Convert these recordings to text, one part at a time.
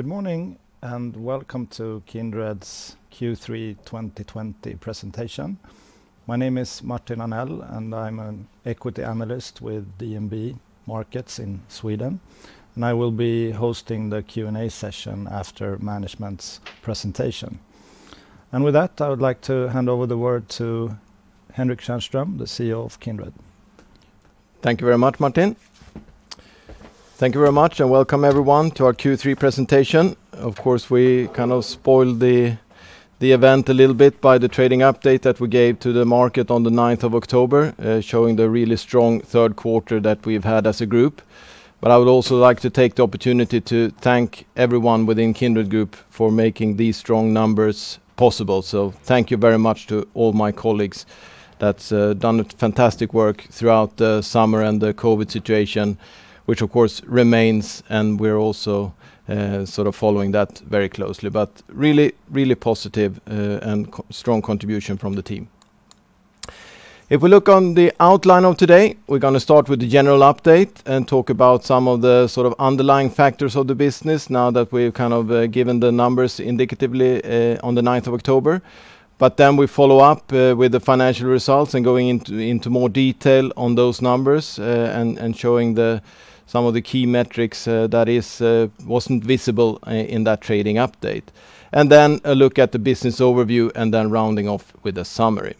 Good morning, and welcome to Kindred's Q3 2020 Presentation. My name is Martin Arnell, and I'm an equity analyst with DNB Markets in Sweden, and I will be hosting the Q&A session after management's presentation. With that, I would like to hand over the word to Henrik Tjärnström, the CEO of Kindred. Thank you very much, Martin. Thank you very much. Welcome everyone to our Q3 presentation. Of course, we kind of spoiled the event a little bit by the trading update that we gave to the market on the ninth of October, showing the really strong third quarter that we've had as a group. I would also like to take the opportunity to thank everyone within Kindred Group for making these strong numbers possible. Thank you very much to all my colleagues that's done fantastic work throughout the summer and the COVID situation, which, of course, remains, and we're also sort of following that very closely, but really positive and strong contribution from the team. If we look on the outline of today, we're going to start with the general update and talk about some of the sort of underlying factors of the business now that we've kind of given the numbers indicatively on the ninth of October. We follow up with the financial results and going into more detail on those numbers, and showing some of the key metrics that wasn't visible in that trading update. A look at the business overview, and then rounding off with a summary.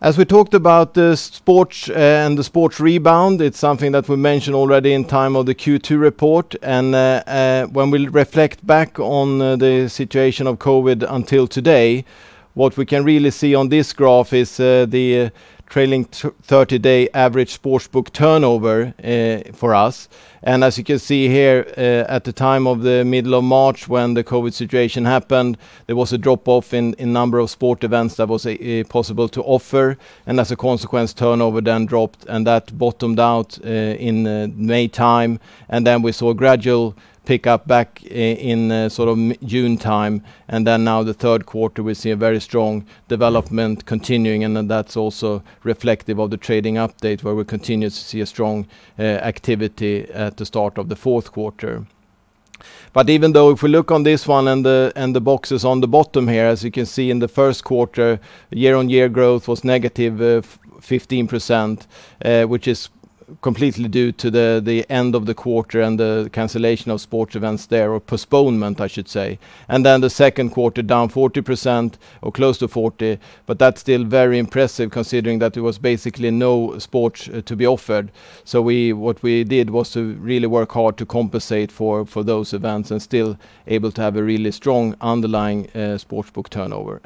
As we talked about the sports and the sports rebound, it's something that we mentioned already in time of the Q2 report. When we reflect back on the situation of COVID until today, what we can really see on this graph is the trailing 30-day average sportsbook turnover for us. As you can see here, at the time of the middle of March, when the COVID situation happened, there was a drop-off in number of sports events that was possible to offer. As a consequence, turnover then dropped, and that bottomed out in May time. Then we saw gradual pickup back in sort of June time. Now the third quarter, we see a very strong development continuing, and then that's also reflective of the trading update where we continue to see a strong activity at the start of the fourth quarter. Even though if we look on this one and the boxes on the bottom here, as you can see in the first quarter, year-on-year growth was -15%, which is completely due to the end of the quarter and the cancellation of sports events there, or postponement, I should say. The second quarter down 40% or close to 40, but that's still very impressive considering that there was basically no sport to be offered. What we did was to really work hard to compensate for those events and still able to have a really strong underlying sportsbook turnover.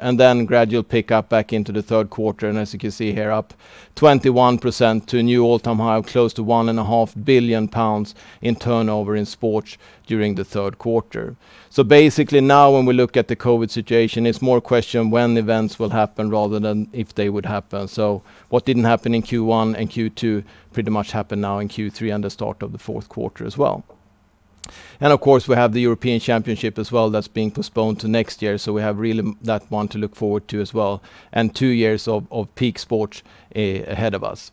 Gradual pickup back into the third quarter, and as you can see here, up 21% to a new all-time high of close to one and a half billion pounds in turnover in sports during the third quarter. Basically now when we look at the COVID-19 situation, it's more a question when events will happen rather than if they would happen. What didn't happen in Q1 and Q2 pretty much happened now in Q3 and the start of the fourth quarter as well. Of course, we have the European Championship as well that's being postponed to next year, we have really that one to look forward to as well, and two years of peak sports ahead of us.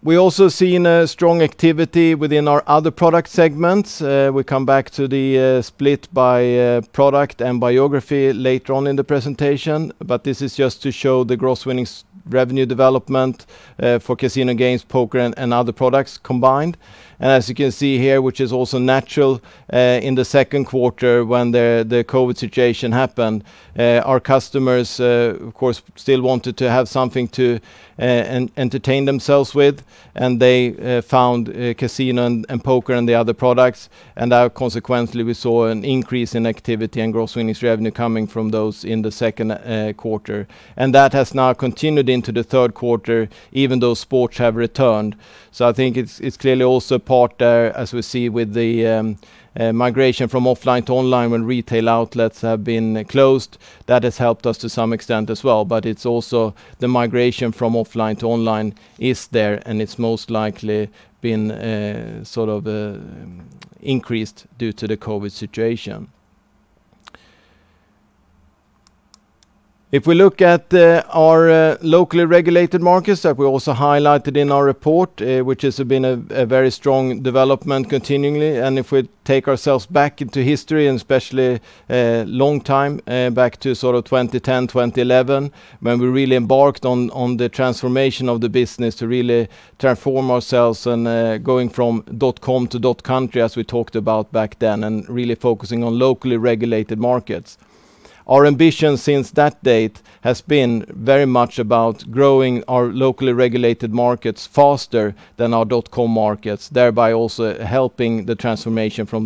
We also seen a strong activity within our other product segments. We come back to the split by product and by geography later on in the presentation, this is just to show the gross winnings revenue development for casino games, poker, and other products combined. As you can see here, which is also natural, in the second quarter when the COVID situation happened, our customers, of course, still wanted to have something to entertain themselves with, and they found casino and poker and the other products. Consequently, we saw an increase in activity and gross winnings revenue coming from those in the second quarter. That has now continued into the third quarter, even though sports have returned. I think it's clearly also part, as we see with the migration from offline to online when retail outlets have been closed. That has helped us to some extent as well, but it's also the migration from offline to online is there, and it's most likely been sort of increased due to the COVID situation. If we look at our locally regulated markets that we also highlighted in our report, which has been a very strong development continually, and if we take ourselves back into history and especially long time back to sort of 2010, 2011, when we really embarked on the transformation of the business to really transform ourselves and going from dot-com to dot-country as we talked about back then, and really focusing on locally regulated markets. Our ambition since that date has been very much about growing our locally regulated markets faster than our dot-com markets, thereby also helping the transformation from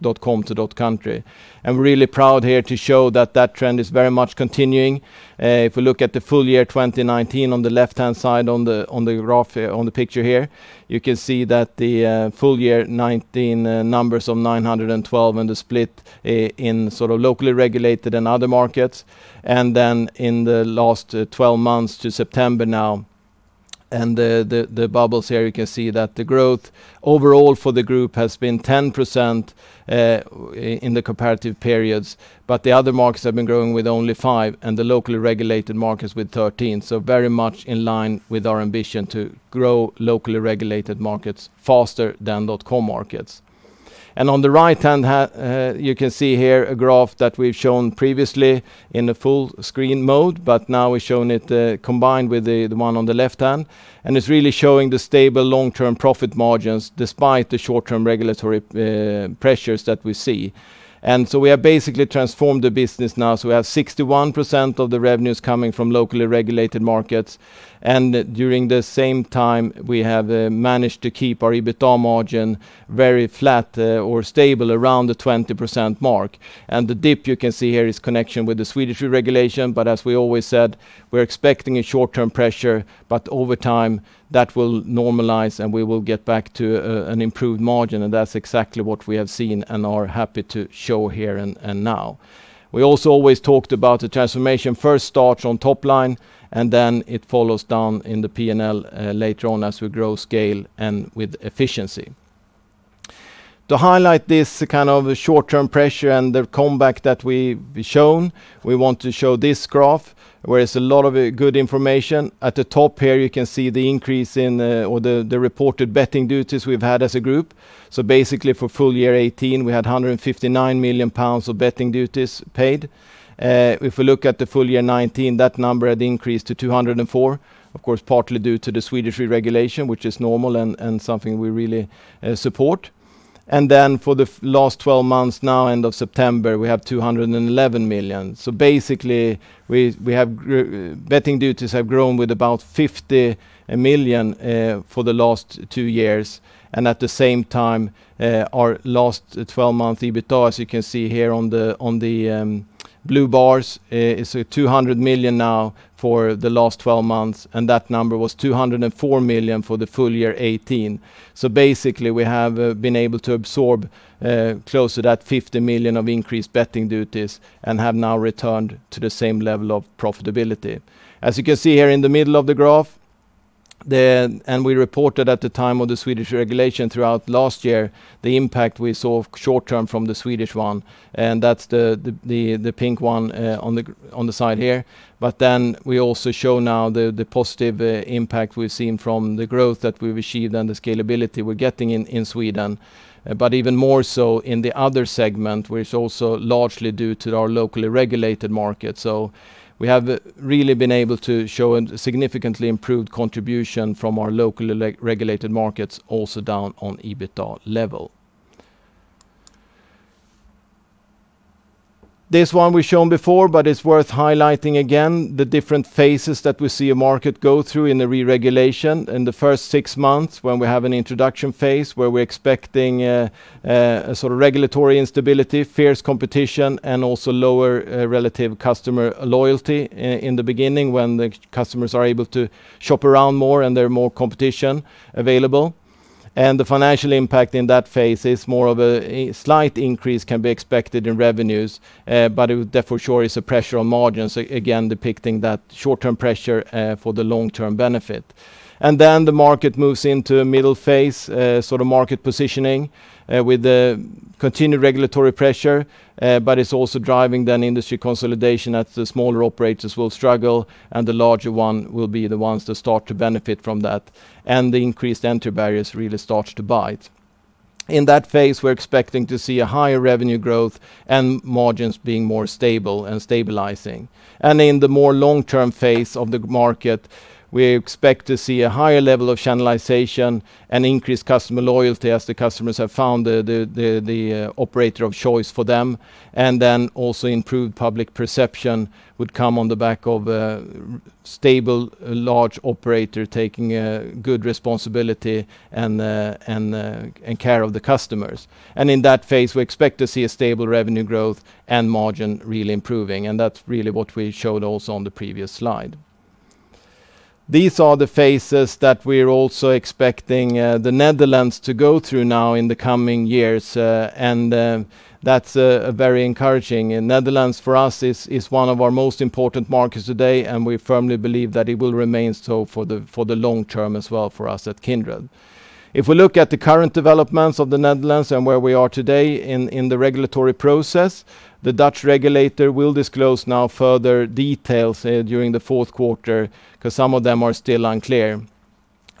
dot-com to dot-country. I'm really proud here to show that that trend is very much continuing. If we look at the full year 2019 on the left-hand side on the picture here, you can see that the full year 2019 numbers of 912 and the split in sort of locally regulated and other markets. Then in the last 12 months to September now. The bubbles here, you can see that the growth overall for the group has been 10% in the comparative periods, but the other markets have been growing with only 5% and the locally regulated markets with 13%. Very much in line with our ambition to grow locally regulated markets faster than dot-com markets. On the right-hand, you can see here a graph that we've shown previously in the full-screen mode, but now we're showing it combined with the one on the left hand. It's really showing the stable long-term profit margins despite the short-term regulatory pressures that we see. We have basically transformed the business now. We have 61% of the revenues coming from locally regulated markets, and during the same time, we have managed to keep our EBITDA margin very flat or stable around the 20% mark. The dip you can see here is connection with the Swedish regulation. As we always said, we're expecting a short-term pressure, but over time that will normalize, and we will get back to an improved margin. That's exactly what we have seen and are happy to show here and now. We also always talked about the transformation first starts on top line, and then it follows down in the P&L later on as we grow scale and with efficiency. To highlight this kind of short-term pressure and the comeback that we've shown, we want to show this graph where it's a lot of good information. At the top here, you can see the increase in the reported betting duties we've had as a group. Basically for full year 2018, we had 159 million pounds of betting duties paid. If we look at the full year 2019, that number had increased to 204 million, of course, partly due to the Swedish regulation, which is normal and something we really support. Then for the last 12 months now, end of September, we have 211 million. Basically betting duties have grown with about 50 million for the last two years. At the same time, our last 12-month EBITDA, as you can see here on the blue bars is 200 million now for the last 12 months. That number was 204 million for the full year 2018. Basically, we have been able to absorb close to that 50 million of increased betting duties and have now returned to the same level of profitability. As you can see here in the middle of the graph, and we reported at the time of the Swedish regulation throughout last year, the impact we saw short-term from the Swedish one, and that's the pink one on the side here. We also show now the positive impact we've seen from the growth that we've achieved and the scalability we're getting in Sweden. Even more so in the other segment, which is also largely due to our locally regulated market. We have really been able to show a significantly improved contribution from our locally regulated markets also down on EBITDA level. This one we've shown before, but it's worth highlighting again the different phases that we see a market go through in the re-regulation. In the first six months, when we have an introduction phase where we're expecting a sort of regulatory instability, fierce competition, and also lower relative customer loyalty in the beginning when the customers are able to shop around more and there are more competition available. The financial impact in that phase is more of a slight increase can be expected in revenues. That for sure is a pressure on margins, again, depicting that short-term pressure for the long-term benefit. The market moves into a middle phase, sort of market positioning with the continued regulatory pressure. It's also driving then industry consolidation as the smaller operators will struggle and the larger one will be the ones to start to benefit from that. The increased entry barriers really start to bite. In that phase, we're expecting to see a higher revenue growth and margins being more stable and stabilizing. In the more long-term phase of the market, we expect to see a higher level of channelization and increased customer loyalty as the customers have found the operator of choice for them. Then also improved public perception would come on the back of a stable, large operator taking good responsibility and care of the customers. In that phase, we expect to see a stable revenue growth and margin really improving, and that's really what we showed also on the previous slide. These are the phases that we're also expecting the Netherlands to go through now in the coming years. That's very encouraging. Netherlands for us is one of our most important markets today, and we firmly believe that it will remain so for the long-term as well for us at Kindred. If we look at the current developments of the Netherlands and where we are today in the regulatory process, the Dutch regulator will disclose now further details during the fourth quarter because some of them are still unclear.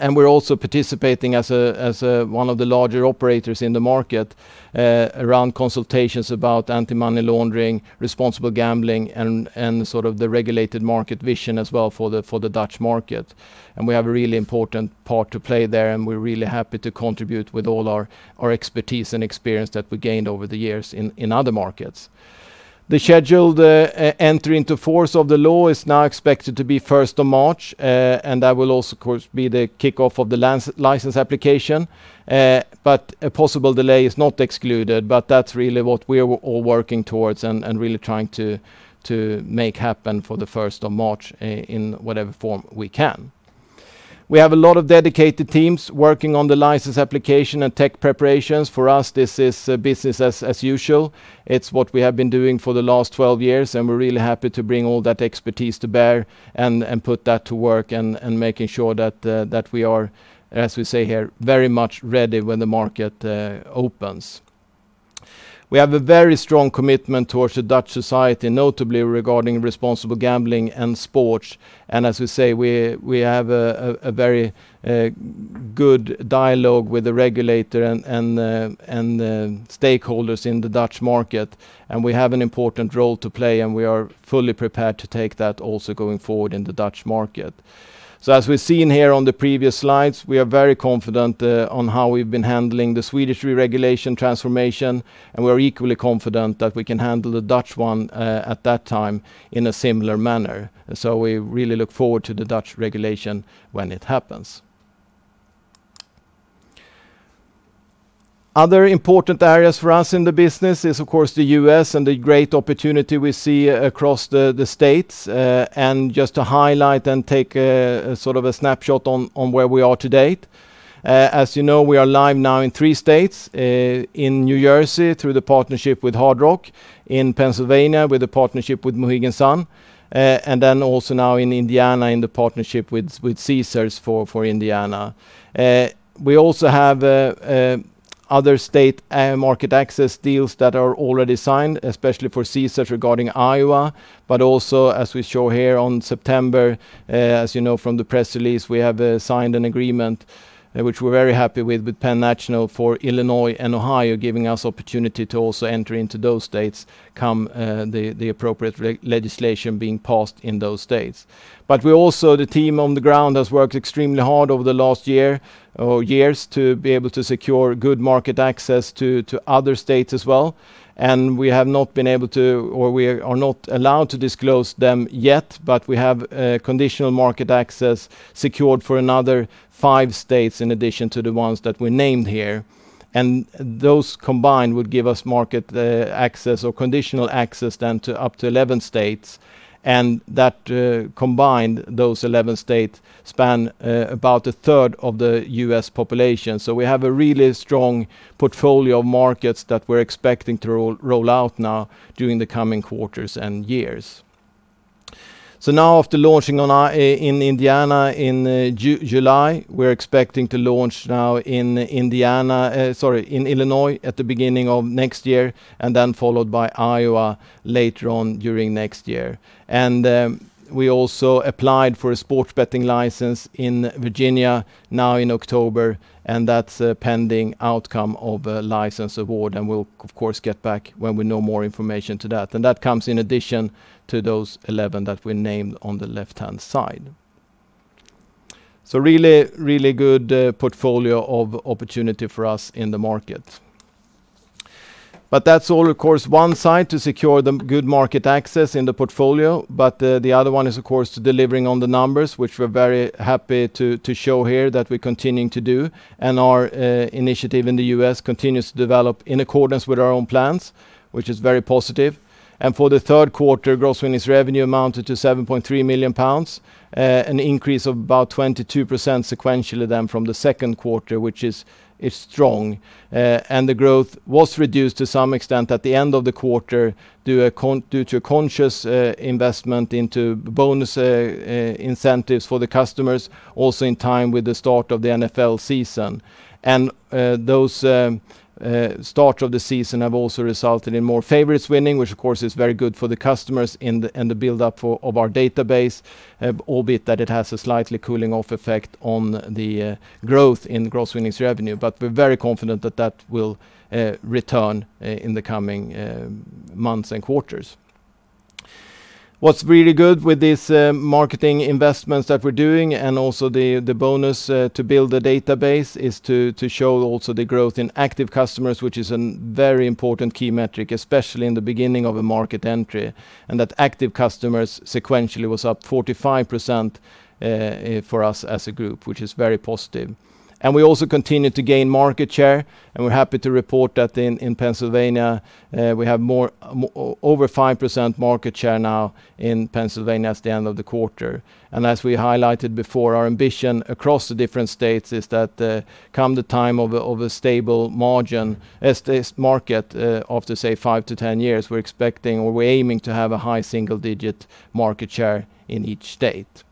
We're also participating as one of the larger operators in the market around consultations about anti-money laundering, responsible gambling, and sort of the regulated market vision as well for the Dutch market. We have a really important part to play there, and we're really happy to contribute with all our expertise and experience that we gained over the years in other markets. The scheduled entry into force of the law is now expected to be 1st of March, and that will also, of course, be the kickoff of the license application. A possible delay is not excluded. That's really what we're all working towards and really trying to make happen for the 1st of March in whatever form we can. We have a lot of dedicated teams working on the license application and tech preparations. For us, this is business as usual. It's what we have been doing for the last 12 years, and we're really happy to bring all that expertise to bear and put that to work and making sure that we are, as we say here, very much ready when the market opens. We have a very strong commitment towards the Dutch society, notably regarding responsible gambling and sports. As we say, we have a very good dialogue with the regulator and stakeholders in the Dutch market. We have an important role to play, and we are fully prepared to take that also going forward in the Dutch market. As we've seen here on the previous slides, we are very confident on how we've been handling the Swedish reregulation transformation, and we are equally confident that we can handle the Dutch one at that time in a similar manner. We really look forward to the Dutch regulation when it happens. Other important areas for us in the business is, of course, the U.S. and the great opportunity we see across the States. Just to highlight and take a snapshot on where we are to date. As you know, we are live now in three states: in New Jersey through the partnership with Hard Rock, in Pennsylvania with the partnership with Mohegan Sun, and then also now in Indiana in the partnership with Caesars for Indiana. We also have other state market access deals that are already signed, especially for Caesars regarding Iowa, but also as we show here on September, as you know from the press release, we have signed an agreement which we're very happy with Penn National for Illinois and Ohio, giving us opportunity to also enter into those states come the appropriate legislation being passed in those states. We also, the team on the ground has worked extremely hard over the last year or years to be able to secure good market access to other states as well. We have not been able to, or we are not allowed to disclose them yet, but we have conditional market access secured for another five states in addition to the ones that we named here. Those combined would give us market access or conditional access then to up to 11 states. That combined, those 11 states span about a third of the U.S. population. We have a really strong portfolio of markets that we're expecting to roll out now during the coming quarters and years. Now after launching in Indiana in July, we're expecting to launch now in Illinois at the beginning of next year, and then followed by Iowa later on during next year. We also applied for a sports betting license in Virginia now in October, and that's a pending outcome of a license award, and we'll of course get back when we know more information to that. That comes in addition to those 11 that we named on the left-hand side. Really good portfolio of opportunity for us in the market. That's all, of course, one side to secure the good market access in the portfolio. The other one is, of course, delivering on the numbers, which we're very happy to show here that we're continuing to do. Our initiative in the U.S. continues to develop in accordance with our own plans, which is very positive. For the third quarter, gross winnings revenue amounted to 7.3 million pounds, an increase of about 22% sequentially then from the second quarter, which is strong. The growth was reduced to some extent at the end of the quarter due to a conscious investment into bonus incentives for the customers, also in time with the start of the NFL season. Those start of the season have also resulted in more favorites winning, which of course is very good for the customers in the buildup of our database, albeit that it has a slightly cooling-off effect on the growth in gross winnings revenue. We're very confident that that will return in the coming months and quarters. What's really good with these marketing investments that we're doing and also the bonus to build the database is to show also the growth in active customers, which is a very important key metric, especially in the beginning of a market entry. That active customers sequentially was up 45% for us as a group, which is very positive. We also continue to gain market share, and we're happy to report that in Pennsylvania, we have over 5% market share now in Pennsylvania at the end of the quarter. As we highlighted before, our ambition across the different states is that come the time of a stable margin as this market after, say, 5-10 years, we're expecting or we're aiming to have a high single-digit market share in each state.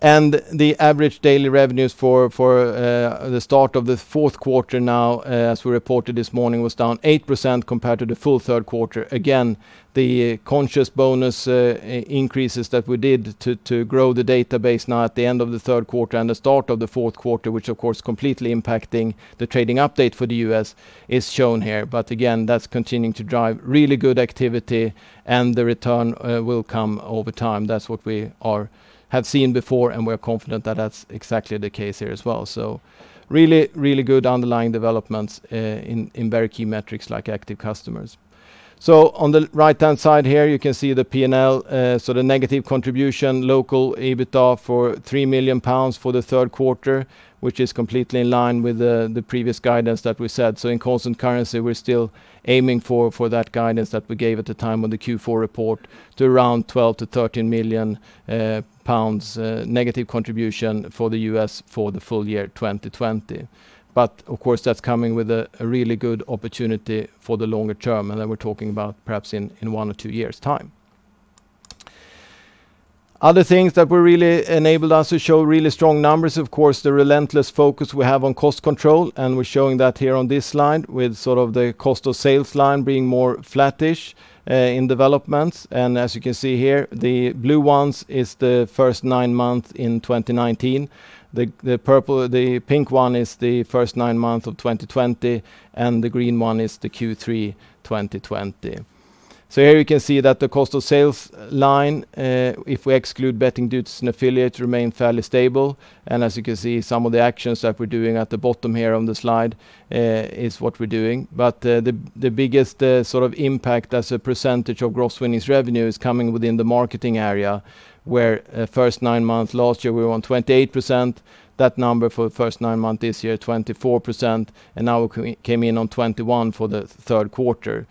The average daily revenues for the start of the fourth quarter now, as we reported this morning, was down 8% compared to the full third quarter. Again, the conscious bonus increases that we did to grow the database now at the end of the third quarter and the start of the fourth quarter, which of course completely impacting the trading update for the U.S., is shown here. Again, that's continuing to drive really good activity, and the return will come over time. That's what we have seen before, and we're confident that that's exactly the case here as well. Really good underlying developments in very key metrics like active customers. On the right-hand side here, you can see the P&L, so the negative contribution, local EBITDA for 3 million pounds for the third quarter, which is completely in line with the previous guidance that we set. In constant currency, we are still aiming for that guidance that we gave at the time of the Q4 report to around 12 million-13 million pounds negative contribution for the U.S. for the full year 2020. Of course, that is coming with a really good opportunity for the longer term, and then we are talking about perhaps in one or two years' time. Other things that really enabled us to show really strong numbers, of course, the relentless focus we have on cost control. We are showing that here on this slide with the cost of sales line being more flattish in developments. As you can see here, the blue one is the first nine months in 2019. The pink one is the first nine months of 2020, and the green one is the Q3 2020. Here you can see that the cost of sales line, if we exclude betting duties and affiliates, remain fairly stable. As you can see, some of the actions that we're doing at the bottom here on the slide is what we're doing. The biggest impact as a percentage of gross winnings revenue is coming within the marketing area, where first nine months last year, we were on 28%. That number for the first nine months this year, 24%, and now we came in on 21% for the third quarter.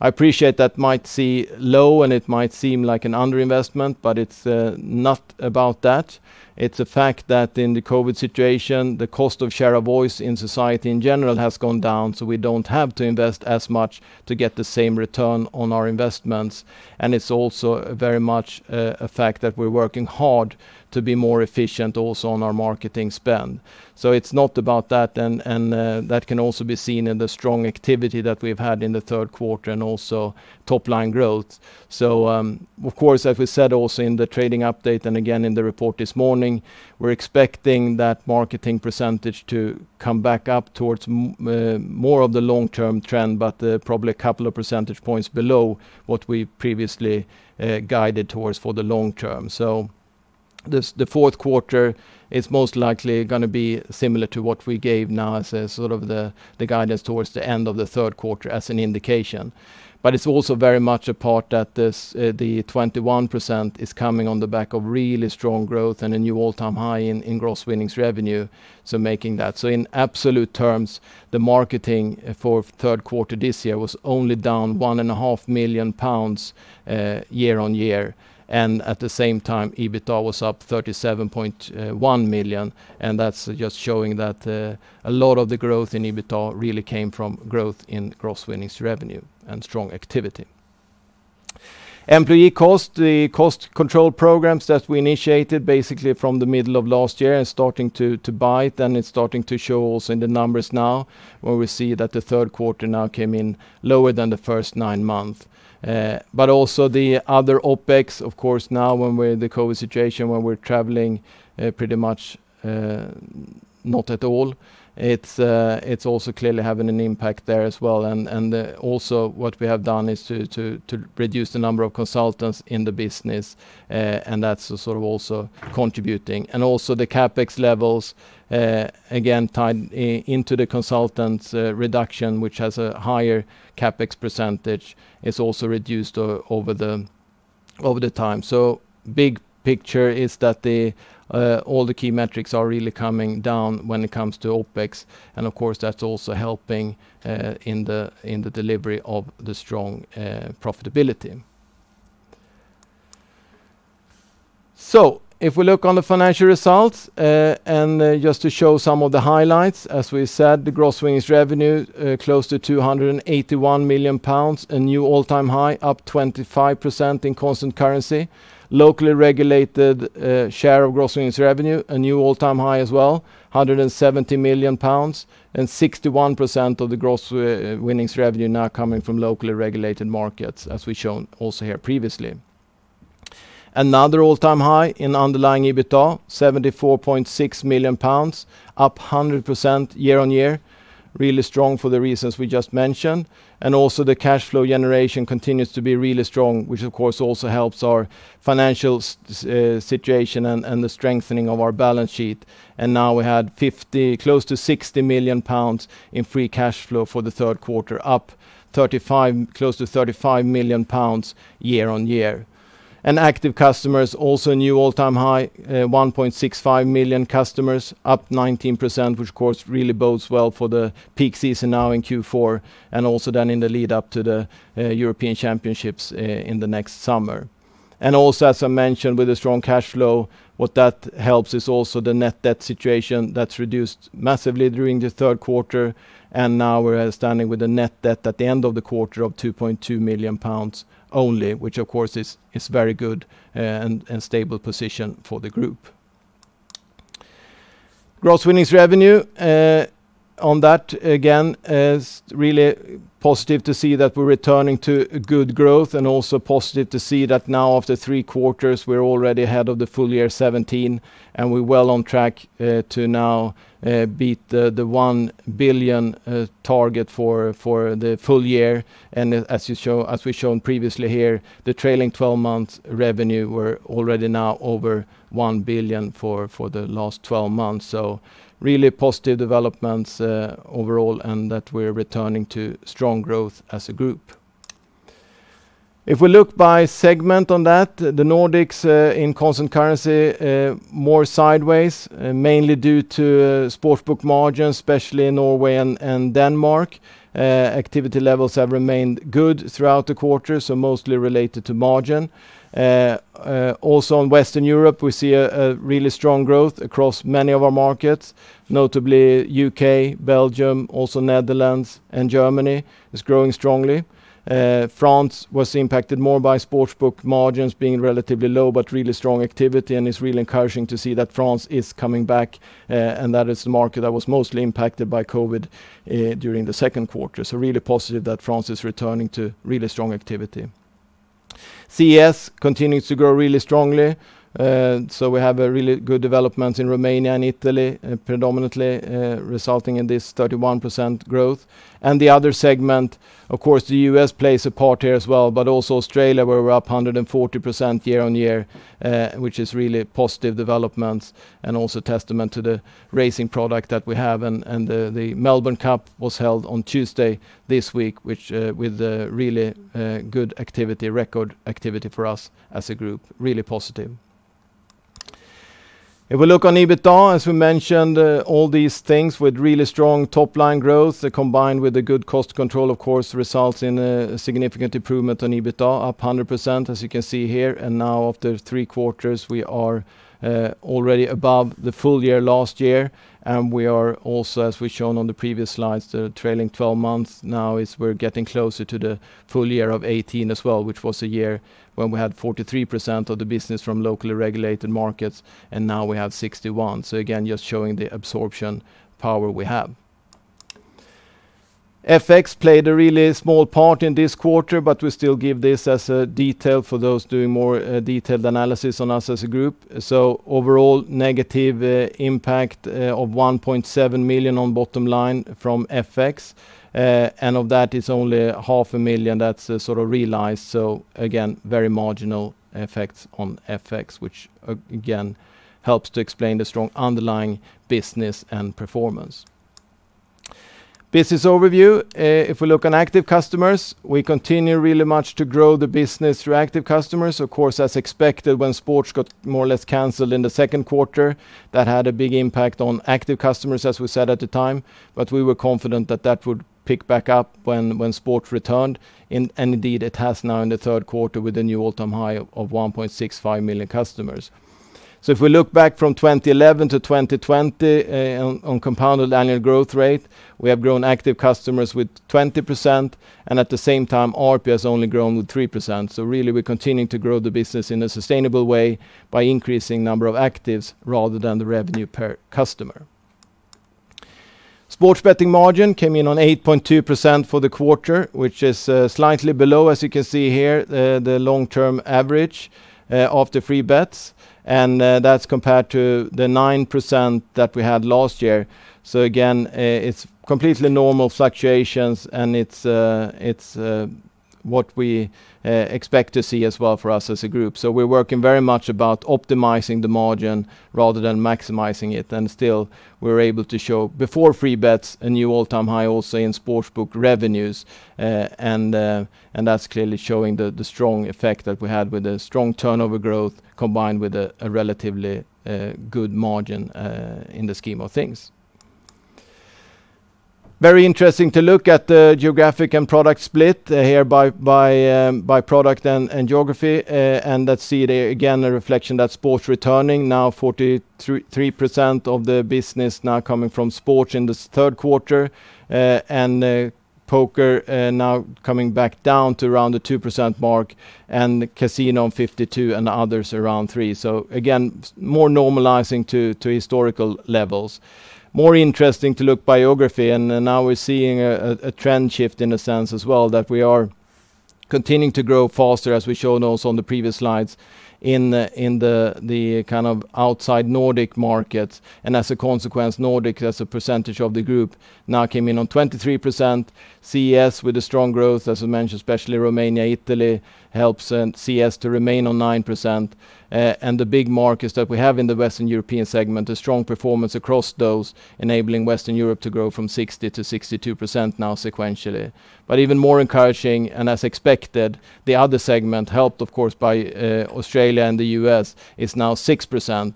I appreciate that might seem low, and it might seem like an under-investment, but it's not about that. It's a fact that in the COVID-19 situation, the cost of share of voice in society, in general, has gone down, so we don't have to invest as much to get the same return on our investments. It's also very much a fact that we're working hard to be more efficient also on our marketing spend. It's not about that, and that can also be seen in the strong activity that we've had in the 3rd quarter and also top-line growth. Of course, as we said also in the trading update and again in the report this morning, we're expecting that marketing percentage to come back up towards more of the long-term trend, but probably a couple of percentage points below what we previously guided towards for the long term. The fourth quarter is most likely going to be similar to what we gave now as the guidance towards the end of the third quarter as an indication. It's also very much a part that the 21% is coming on the back of really strong growth and a new all-time high in gross winnings revenue. In absolute terms, the marketing for third quarter this year was only down £1.5 million year-on-year, and at the same time, EBITDA was up 37.1 million, and that's just showing that a lot of the growth in EBITDA really came from growth in gross winnings revenue and strong activity. Employee cost, the cost control programs that we initiated basically from the middle of last year are starting to bite, and it's starting to show also in the numbers now, where we see that the third quarter now came in lower than the first nine months. Also the other OpEx, of course, now with the COVID situation, where we're traveling pretty much not at all. It's also clearly having an impact there as well, and also what we have done is to reduce the number of consultants in the business, and that's also contributing. Also the CapEx levels, again, tied into the consultants reduction, which has a higher CapEx percentage, is also reduced over the time. Big picture is that all the key metrics are really coming down when it comes to OpEx, and of course, that's also helping in the delivery of the strong profitability. If we look on the financial results, and just to show some of the highlights, as we said, the gross winnings revenue, close to 281 million pounds, a new all-time high, up 25% in constant currency. Locally regulated share of gross winnings revenue, a new all-time high as well, 170 million pounds, 61% of the gross winnings revenue now coming from locally regulated markets, as we've shown also here previously. Another all-time high in underlying EBITDA, 74.6 million pounds, up 100% year-on-year. Really strong for the reasons we just mentioned. Also the cash flow generation continues to be really strong, which of course also helps our financial situation and the strengthening of our balance sheet. Now we had close to 60 million pounds in free cash flow for the third quarter, up close to 35 million pounds year-on-year. Active customers, also a new all-time high, 1.65 million customers, up 19%, which of course really bodes well for the peak season now in Q4, also then in the lead up to the European Championships in the next summer. Also, as I mentioned, with the strong cash flow, what that helps is also the net debt situation that's reduced massively during the third quarter. Now we're standing with a net debt at the end of the quarter of 2.2 million pounds only, which of course is very good and stable position for the group. Gross winnings revenue. On that, again, is really positive to see that we're returning to good growth and also positive to see that now after three quarters, we're already ahead of the full year 2017, and we're well on track to now beat the 1 billion target for the full year. As we've shown previously here, the trailing 12 months revenue, we're already now over 1 billion for the last 12 months. Really positive developments overall and that we're returning to strong growth as a group. If we look by segment on that, the Nordics in constant currency, more sideways, mainly due to sports book margins, especially in Norway and Denmark. Activity levels have remained good throughout the quarter, so mostly related to margin. In Western Europe, we see a really strong growth across many of our markets, notably U.K., Belgium, also Netherlands, and Germany is growing strongly. France was impacted more by sports book margins being relatively low, but really strong activity, and it's really encouraging to see that France is coming back, and that is the market that was mostly impacted by COVID-19 during the second quarter. Really positive that France is returning to really strong activity. CES continues to grow really strongly. We have a really good development in Romania and Italy predominantly, resulting in this 31% growth. The Other Segment, of course, the U.S. plays a part here as well, but also Australia, where we're up 140% year-on-year, which is really positive developments and also testament to the racing product that we have. The Melbourne Cup was held on Tuesday this week, with really good record activity for us as a group. Really positive. If we look on EBITDA, as we mentioned, all these things with really strong top-line growth combined with the good cost control, of course, results in a significant improvement on EBITDA, up 100%, as you can see here. Now after three quarters, we are already above the full year last year. We are also, as we've shown on the previous slides, the trailing 12 months now we're getting closer to the full year of 2018 as well, which was a year when we had 43% of the business from locally regulated markets, and now we have 61. Again, just showing the absorption power we have. FX played a really small part in this quarter, but we still give this as a detail for those doing more detailed analysis on us as a group. Overall negative impact of 1.7 million on bottom line from FX. Of that it's only half a million that's realized. Again, very marginal effects on FX, which again, helps to explain the strong underlying business and performance. Business overview. If we look on active customers, we continue really much to grow the business through active customers. Of course, as expected when sports got more or less canceled in the second quarter, that had a big impact on active customers, as we said at the time. We were confident that that would pick back up when sports returned, and indeed it has now in the third quarter with a new all-time high of 1.65 million customers. If we look back from 2011 to 2020 on compounded annual growth rate, we have grown active customers with 20% and at the same time, ARPA has only grown with 3%. Really we're continuing to grow the business in a sustainable way by increasing number of actives rather than the revenue per customer. Sports betting margin came in on 8.2% for the quarter, which is slightly below, as you can see here, the long-term average after free bets. That's compared to the 9% that we had last year. Again, it's completely normal fluctuations and it's what we expect to see as well for us as a group. We're working very much about optimizing the margin rather than maximizing it. Still we're able to show, before free bets, a new all-time high also in sports book revenues. That's clearly showing the strong effect that we had with the strong turnover growth combined with a relatively good margin, in the scheme of things. Very interesting to look at the geographic and product split here by product and geography. Let's see again, a reflection that sports returning now 43% of the business now coming from sports in the third quarter. Poker now coming back down to around the 2% mark and Casino on 52 and Others around 3%. Again, more normalizing to historical levels. More interesting to look by geography. Now we're seeing a trend shift in a sense as well, that we are continuing to grow faster, as we've shown also on the previous slides in the kind of outside Nordic markets. As a consequence, Nordic as a percentage of the group now came in on 23%. CES with a strong growth, as I mentioned, especially Romania, Italy helps CES to remain on 9%. The big markets that we have in the Western European segment, a strong performance across those enabling Western Europe to grow from 60 to 62% now sequentially. Even more encouraging and as expected, the Other segment helped of course by Australia and the U.S. is now 6%.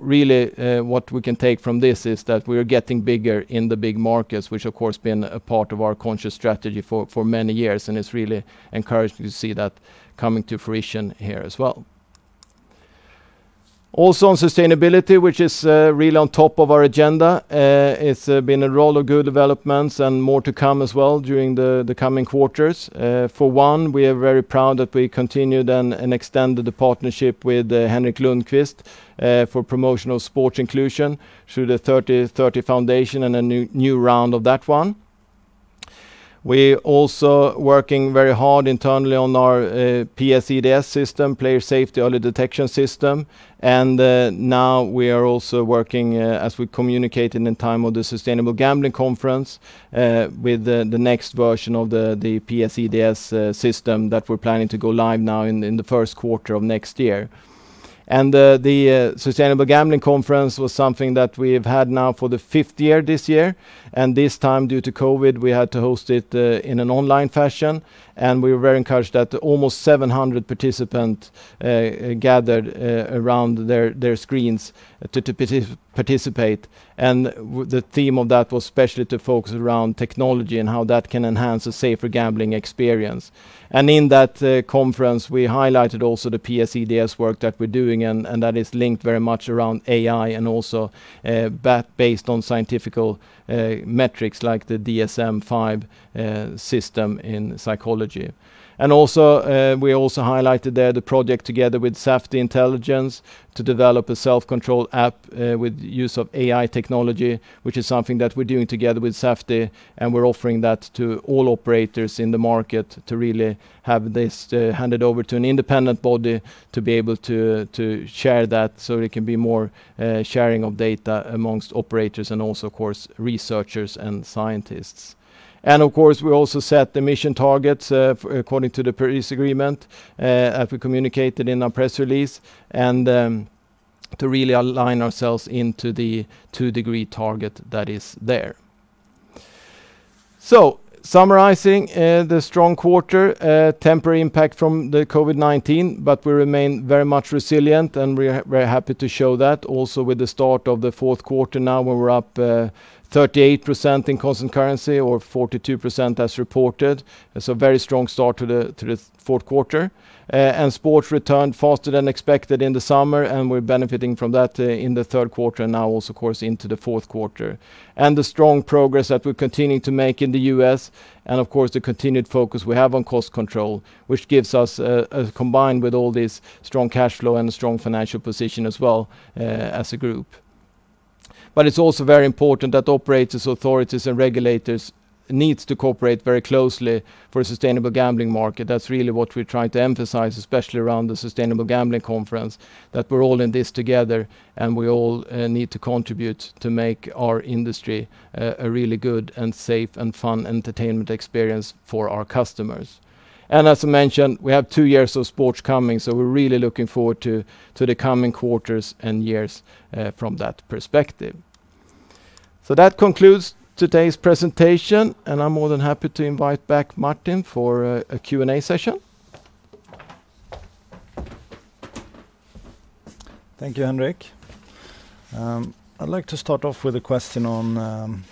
Really what we can take from this is that we are getting bigger in the big markets, which of course been a part of our conscious strategy for many years and it's really encouraging to see that coming to fruition here as well. On sustainability, which is really on top of our agenda. It's been a lot of good developments and more to come as well during the coming quarters. We are very proud that we continued and extended the partnership with Henrik Lundqvist, for promotion of sports inclusion through the 30/30 Foundation and a new round of that one. We are also working very hard internally on our PS-EDS system, Player Safety Early Detection System. Now we are also working, as we communicated in time of the Sustainable Gambling Conference, with the next version of the PS-EDS system that we're planning to go live now in the first quarter of next year. The Sustainable Gambling Conference was something that we've had now for the fifth year this year. This time due to COVID, we had to host it in an online fashion, and we were very encouraged that almost 700 participants gathered around their screens to participate. The theme of that was especially to focus around technology and how that can enhance a safer gambling experience. In that conference, we highlighted also the PS-EDS work that we're doing, and that is linked very much around AI and also based on scientific metrics like the DSM-5 system in psychology. We also highlighted there the project together with Zafeety Intelligence to develop a self-control app with use of AI technology, which is something that we're doing together with Zafeety, and we're offering that to all operators in the market to really have this handed over to an independent body to be able to share that so there can be more sharing of data amongst operators and also, of course, researchers and scientists. Of course, we also set emission targets according to the Paris Agreement, as we communicated in our press release, and to really align ourselves into the 2-degree target that is there. Summarizing the strong quarter, temporary impact from the COVID-19, but we remain very much resilient, and we are very happy to show that also with the start of the fourth quarter now, where we're up 38% in constant currency or 42% as reported. It's a very strong start to the fourth quarter. Sports returned faster than expected in the summer, and we're benefiting from that in the third quarter, and now also, of course, into the fourth quarter. The strong progress that we're continuing to make in the U.S., and of course, the continued focus we have on cost control, which gives us, combined with all this strong cash flow and a strong financial position as well, as a group. It's also very important that operators, authorities, and regulators needs to cooperate very closely for a sustainable gambling market. That's really what we're trying to emphasize, especially around the Sustainable Gambling Conference, that we're all in this together, and we all need to contribute to make our industry a really good and safe and fun entertainment experience for our customers. As I mentioned, we have two years of sports coming, so we're really looking forward to the coming quarters and years from that perspective. That concludes today's presentation, and I'm more than happy to invite back Martin for a Q&A session. Thank you, Henrik. I'd like to start off with a question on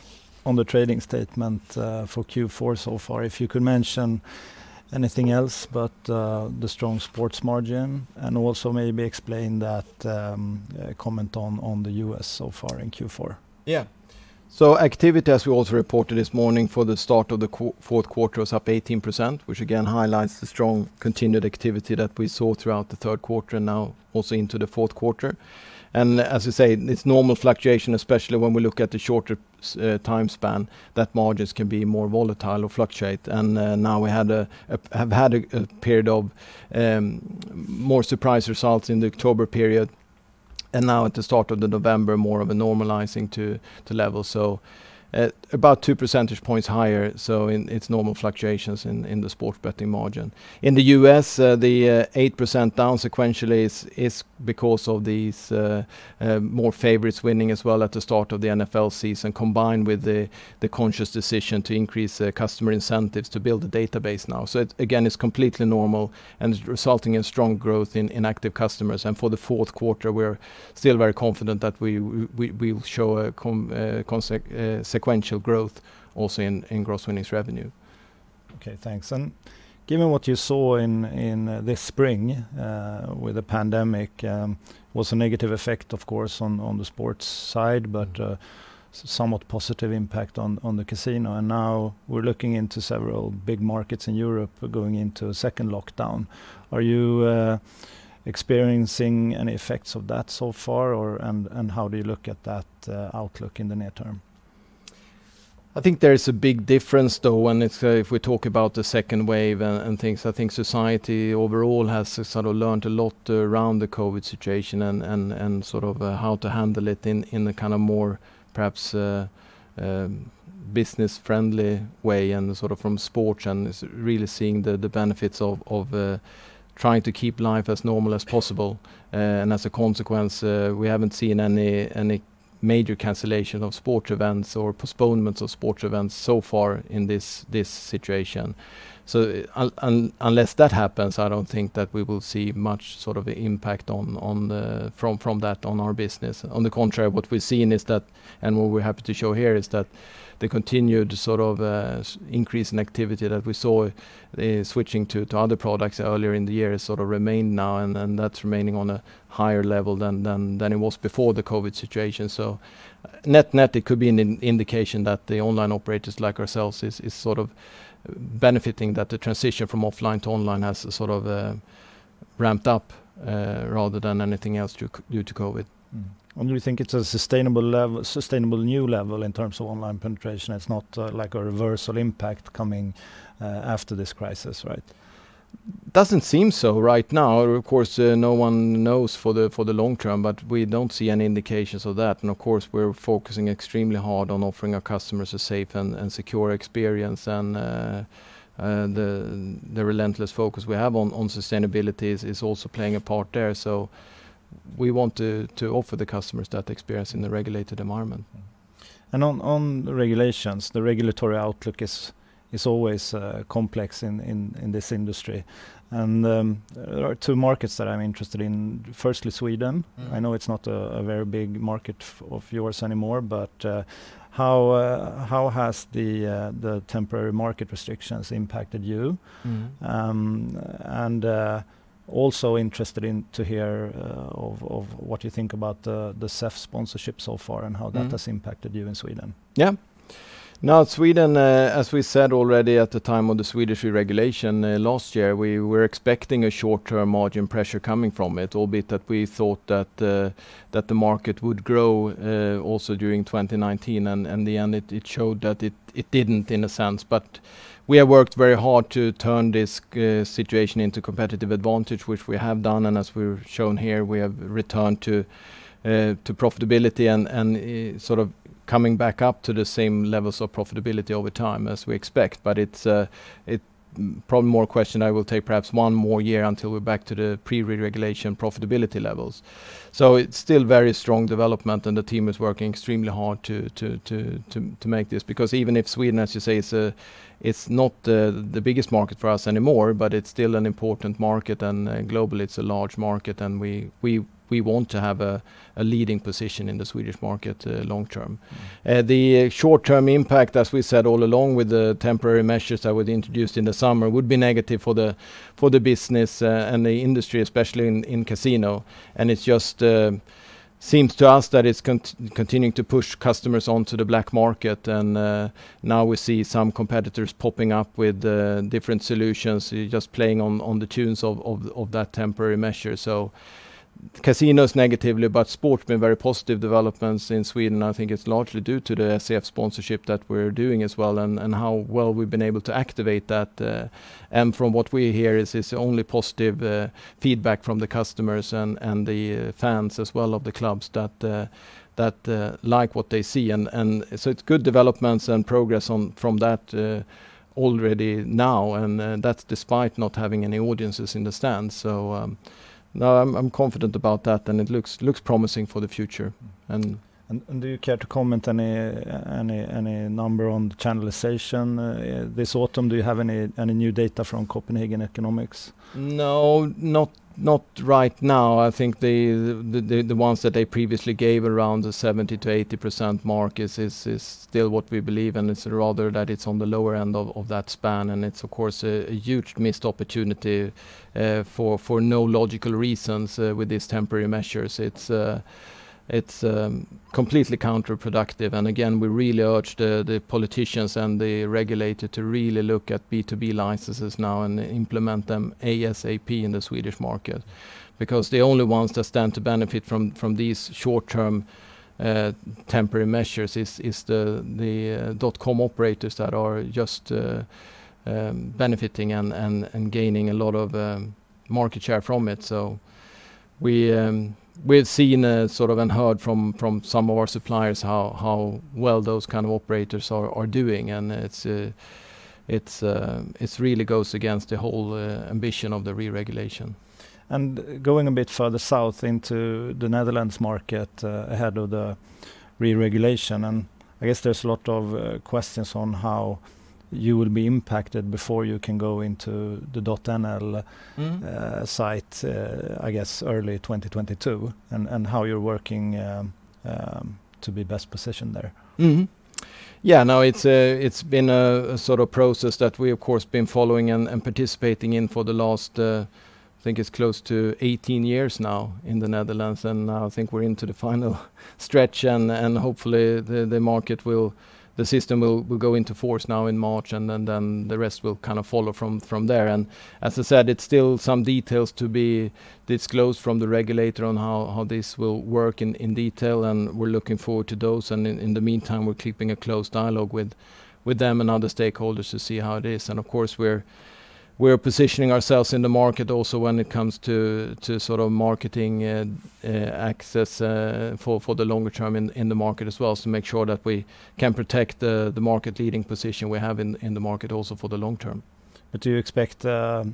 the trading statement for Q4 so far. If you could mention anything else but the strong sports margin, and also maybe explain that comment on the U.S. so far in Q4. Activity, as we also reported this morning for the start of the fourth quarter, was up 18%, which again highlights the strong continued activity that we saw throughout the third quarter, now also into the fourth quarter. As I say, it's normal fluctuation, especially when we look at the shorter timespan, that margins can be more volatile or fluctuate. Now we've had a period of more surprise results in the October period, now at the start of the November, more of a normalizing to level. At about two percentage points higher, it's normal fluctuations in the sports betting margin. In the U.S., the 8% down sequentially is because of these more favorites winning as well at the start of the NFL season, combined with the conscious decision to increase customer incentives to build the database now. It, again, is completely normal and resulting in strong growth in active customers. For the fourth quarter, we're still very confident that we will show a sequential growth also in gross winnings revenue. Okay, thanks. Given what you saw in this spring with the pandemic was a negative effect, of course, on the sports side, but somewhat positive impact on the casino. Now we're looking into several big markets in Europe going into a second lockdown. Are you experiencing any effects of that so far, and how do you look at that outlook in the near term? I think there is a big difference, though, if we talk about the second wave and things. I think society overall has sort of learned a lot around the COVID-19 situation and sort of how to handle it in the kind of more, perhaps, business-friendly way and sort of from sports and really seeing the benefits of trying to keep life as normal as possible. As a consequence, we haven't seen any major cancellation of sports events or postponements of sports events so far in this situation. Unless that happens, I don't think that we will see much sort of impact from that on our business. On the contrary, what we're seeing is that, and what we're happy to show here is that the continued sort of increase in activity that we saw switching to other products earlier in the year has sort of remained now, and that's remaining on a higher level than it was before the COVID-19 situation. Net, it could be an indication that the online operators like ourselves is sort of benefiting that the transition from offline to online has sort of ramped up rather than anything else due to COVID-19. Mm-hmm. You think it's a sustainable new level in terms of online penetration? It's not like a reversal impact coming after this crisis, right? Doesn't seem so right now. Of course, no one knows for the long term, but we don't see any indications of that. Of course, we're focusing extremely hard on offering our customers a safe and secure experience, and the relentless focus we have on sustainability is also playing a part there. We want to offer the customers that experience in a regulated environment. On the regulations, the regulatory outlook is always complex in this industry. There are two markets that I'm interested in. Firstly, Sweden. I know it's not a very big market of yours anymore, but how has the temporary market restrictions impacted you? Also interested in to hear of what you think about the SEF sponsorship so far and how it has impacted you in Sweden. Sweden, as we said already at the time of the Swedish regulation last year, we were expecting a short-term margin pressure coming from it, albeit that we thought that the market would grow also during 2019. In the end, it showed that it didn't in a sense, we have worked very hard to turn this situation into competitive advantage, which we have done. As we've shown here, we have returned to profitability and coming back up to the same levels of profitability over time as we expect. It's probably more a question I will take perhaps one more year until we're back to the pre-reregulation profitability levels. It's still very strong development, and the team is working extremely hard to make this, because even if Sweden, as you say, it's not the biggest market for us anymore, but it's still an important market. Globally, it's a large market, and we want to have a leading position in the Swedish market long-term. The short-term impact, as we said all along with the temporary measures that were introduced in the summer, would be negative for the business and the industry, especially in casino. It just seems to us that it's continuing to push customers onto the black market, and now we see some competitors popping up with different solutions, just playing on the tunes of that temporary measure. Casinos negatively, but sport been very positive developments in Sweden. I think it's largely due to the SEF sponsorship that we're doing as well and how well we've been able to activate that. From what we hear, it's only positive feedback from the customers and the fans as well of the clubs that like what they see. It's good developments and progress from that already now, and that's despite not having any audiences in the stands. No, I'm confident about that, and it looks promising for the future. Do you care to comment any number on the channelization this autumn? Do you have any new data from Copenhagen Economics? No, not right now. I think the ones that they previously gave around the 70%-80% mark is still what we believe, and it's rather that it's on the lower end of that span. It's of course a huge missed opportunity for no logical reasons with these temporary measures. It's completely counterproductive. Again, we really urge the politicians and the regulator to really look at B2B licenses now and implement them ASAP in the Swedish market because the only ones that stand to benefit from these short-term temporary measures is the dot-com operators that are just benefiting and gaining a lot of market share from it. We've seen and heard from some of our suppliers how well those kind of operators are doing, and it really goes against the whole ambition of the reregulation. Going a bit further south into the Netherlands market ahead of the reregulation, and I guess there's a lot of questions on how you will be impacted before you can go into the .nl site I guess early 2022, and how you're working to be best positioned there. Yeah, no, it's been a sort of process that we of course have been following and participating in for the last, I think it's close to 18 years now in the Netherlands. Now I think we're into the final stretch. Hopefully the system will go into force now in March. Then the rest will kind of follow from there. As I said, it's still some details to be disclosed from the regulator on how this will work in detail. We're looking forward to those. In the meantime, we're keeping a close dialogue with them and other stakeholders to see how it is. Of course, we're positioning ourselves in the market also when it comes to sort of marketing access for the longer term in the market as well. Make sure that we can protect the market-leading position we have in the market also for the long term. Do you expect a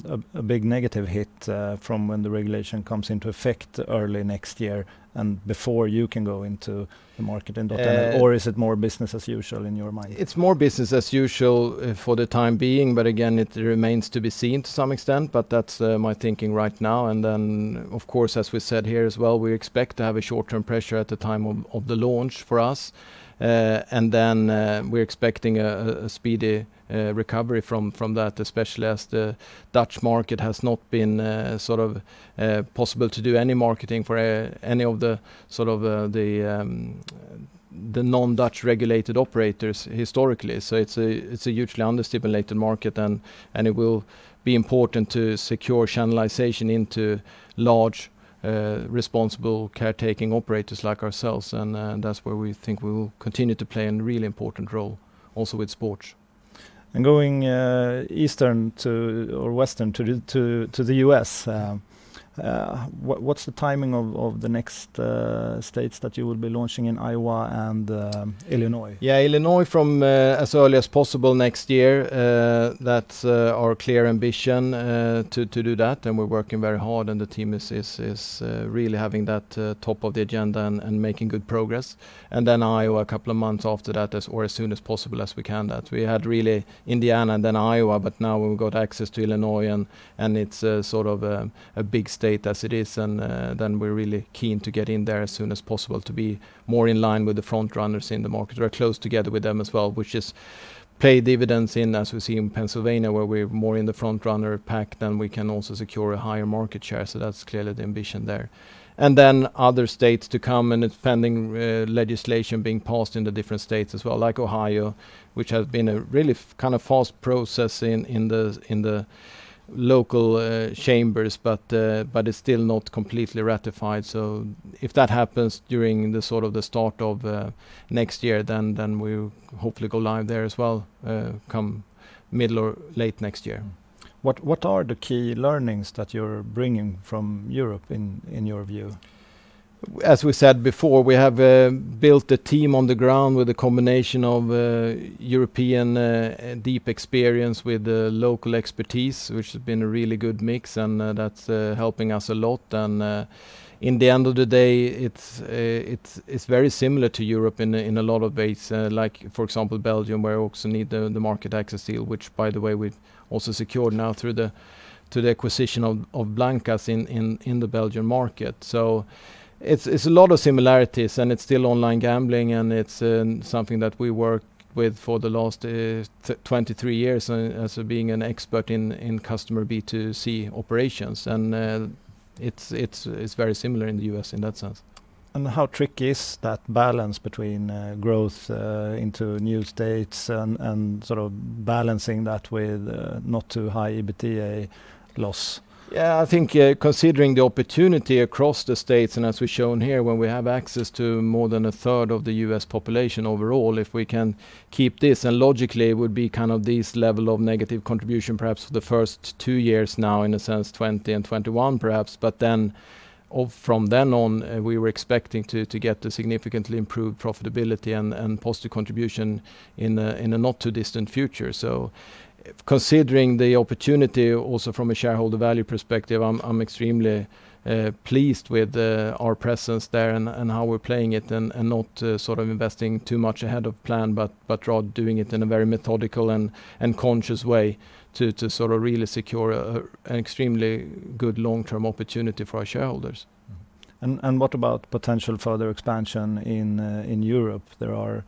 big negative hit from when the regulation comes into effect early next year and before you can go into the market in .nl, or is it more business as usual in your mind? It's more business as usual for the time being, again, it remains to be seen to some extent, that's my thinking right now. Then, of course, as we said here as well, we expect to have a short-term pressure at the time of the launch for us. Then we're expecting a speedy recovery from that, especially as the Dutch market has not been possible to do any marketing for any of the non-Dutch regulated operators historically. It's a hugely under-stipulated market, and it will be important to secure channelization into large, responsible caretaking operators like ourselves. That's where we think we will continue to play an really important role also with sports. Going eastern to, or western to the U.S. What's the timing of the next states that you will be launching in Iowa and Illinois? Yeah, Illinois from as early as possible next year. That's our clear ambition to do that, and we're working very hard, and the team is really having that top of the agenda and making good progress. Iowa a couple of months after that as, or as soon as possible as we can that. We had really Indiana and then Iowa, but now we've got access to Illinois, and it's sort of a big state as it is, and then we're really keen to get in there as soon as possible to be more in line with the front-runners in the market. We're close together with them as well, which has paid dividends in, as we see in Pennsylvania, where we're more in the front-runner pack than we can also secure a higher market share. That's clearly the ambition there. Other states to come, and it's pending legislation being passed in the different states as well, like Ohio, which has been a really kind of fast process in the local chambers, but it's still not completely ratified. If that happens during the sort of the start of next year, then we'll hopefully go live there as well come middle or late next year. What are the key learnings that you're bringing from Europe in your view? As we said before, we have built a team on the ground with a combination of European deep experience with local expertise, which has been a really good mix, and that's helping us a lot. In the end of the day, it's very similar to Europe in a lot of ways. Like, for example, Belgium, where we also need the market access deal, which by the way, we've also secured now through the acquisition of Blancas in the Belgian market. It's a lot of similarities and it's still online gambling and it's something that we worked with for the last 23 years as being an expert in customer B2C operations. It's very similar in the U.S. in that sense. How tricky is that balance between growth into new states and balancing that with not too high EBITDA loss? Yeah, I think considering the opportunity across the states, as we've shown here, when we have access to more than a third of the U.S. population overall, if we can keep this, logically it would be this level of negative contribution perhaps for the first two years now, in a sense, 2020 and 2021 perhaps. From then on, we were expecting to get to significantly improved profitability and positive contribution in the not-too-distant future. Considering the opportunity also from a shareholder value perspective, I'm extremely pleased with our presence there and how we're playing it and not investing too much ahead of plan, rather doing it in a very methodical and conscious way to really secure an extremely good long-term opportunity for our shareholders. What about potential further expansion in Europe? There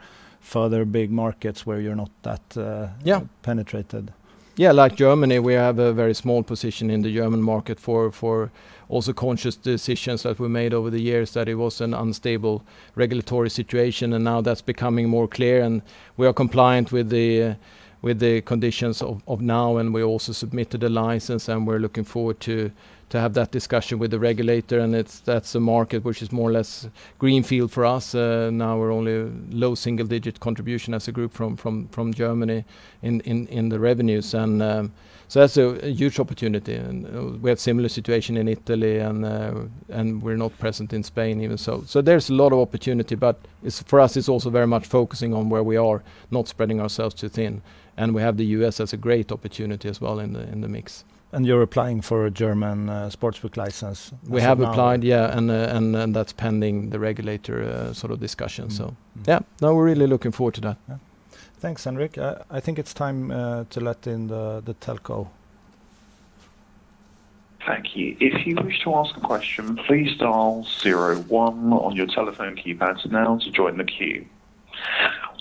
are further big markets where you're not that- Yeah Penetrated. Yeah, like Germany, we have a very small position in the German market for also conscious decisions that we made over the years that it was an unstable regulatory situation. Now that's becoming more clear, and we are compliant with the conditions of now, and we also submitted a license, and we're looking forward to have that discussion with the regulator. That's a market which is more or less greenfield for us. Now we're only low single-digit contribution as a group from Germany in the revenues. That's a huge opportunity. We have similar situation in Italy and we're not present in Spain even. There's a lot of opportunity, but for us, it's also very much focusing on where we are, not spreading ourselves too thin. We have the U.S. as a great opportunity as well in the mix. You're applying for a German sportsbook license as of now? We have applied, yeah. That's pending the regulator discussion. Yeah. No, we're really looking forward to that. Yeah. Thanks, Henrik. I think it's time to let in the telco. Thank you. If you wish to ask a question, please dial zero one on your telephone keypad now to join the queue.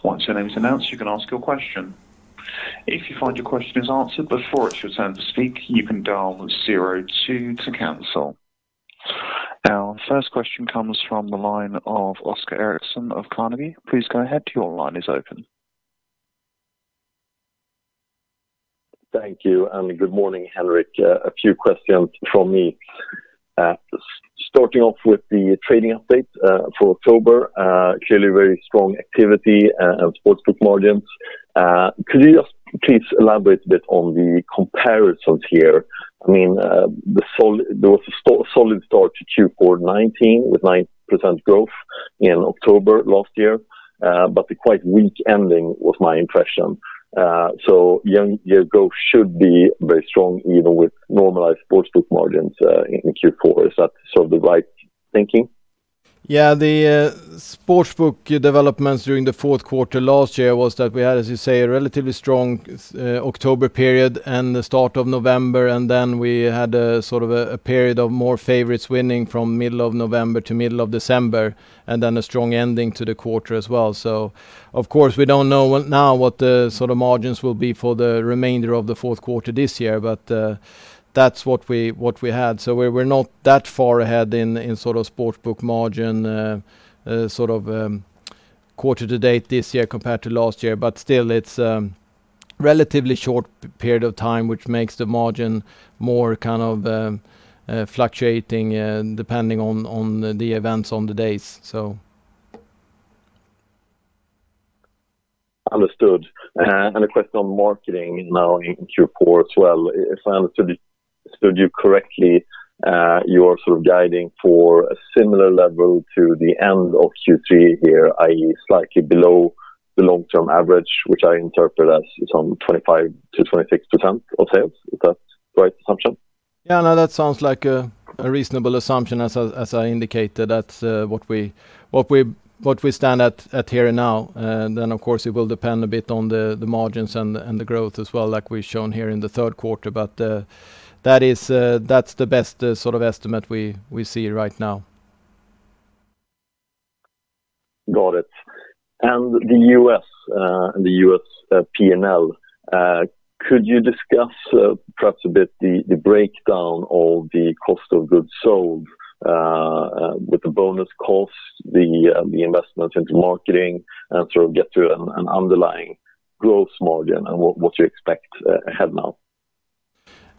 Once your name is announced, you can ask your question. If you find your question is answered before it's your turn to speak, you can dial zero two to cancel. Our first question comes from the line of Oscar Erixon of Carnegie. Please go ahead. Your line is open. Thank you. Good morning, Henrik. A few questions from me. Starting off with the trading update for October. Clearly very strong activity and sportsbook margins. Could you just please elaborate a bit on the comparisons here? There was a solid start to Q4 2019 with 9% growth in October last year, but a quite weak ending was my impression. Year-on-year growth should be very strong even with normalized sportsbook margins in Q4. Is that the right thinking? The sportsbook developments during the fourth quarter last year was that we had, as you say, a relatively strong October period and the start of November, and then we had a period of more favorites winning from middle of November to middle of December, and then a strong ending to the quarter as well. Of course, we don't know now what the margins will be for the remainder of the fourth quarter this year, but that's what we had. Still it's a relatively short period of time, which makes the margin more fluctuating depending on the events on the days. Understood. A question on marketing now in Q4 as well. If I understood you correctly, you're guiding for a similar level to the end of Q3 here, i.e., slightly below the long-term average, which I interpret as some 25%-26% of sales. Is that the right assumption? Yeah, no, that sounds like a reasonable assumption as I indicated. That's what we stand at here now. Of course, it will depend a bit on the margins and the growth as well, like we've shown here in the third quarter. That's the best estimate we see right now. The U.S. P&L, could you discuss perhaps a bit the breakdown of the cost of goods sold with the bonus costs, the investments into marketing, and get to an underlying gross margin and what you expect ahead now?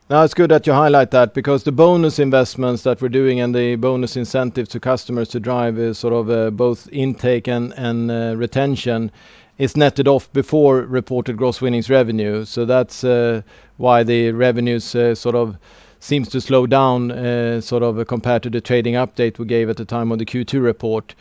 Now it's good that you highlight that because the bonus investments that we're doing and the bonus incentives to customers to drive is sort of both intake and retention is netted off before reported gross winnings revenue. That's why the revenues sort of seems to slow down sort of compared to the trading update we gave at the time of the Q2 report.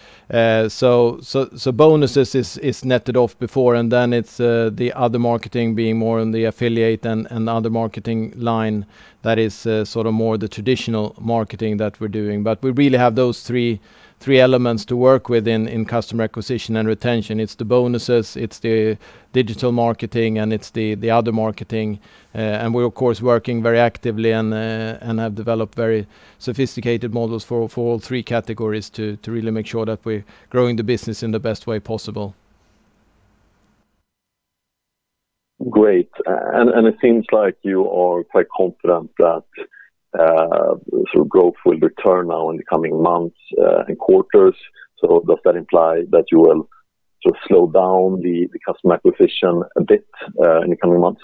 Bonuses is netted off before and then it's the other marketing being more on the affiliate and other marketing line that is sort of more the traditional marketing that we're doing. We really have those three elements to work with in customer acquisition and retention. It's the bonuses, it's the digital marketing, and it's the other marketing. We're of course working very actively and have developed very sophisticated models for all three categories to really make sure that we're growing the business in the best way possible. Great. It seems like you are quite confident that sort of growth will return now in the coming months and quarters. Does that imply that you will sort of slow down the customer acquisition a bit in the coming months?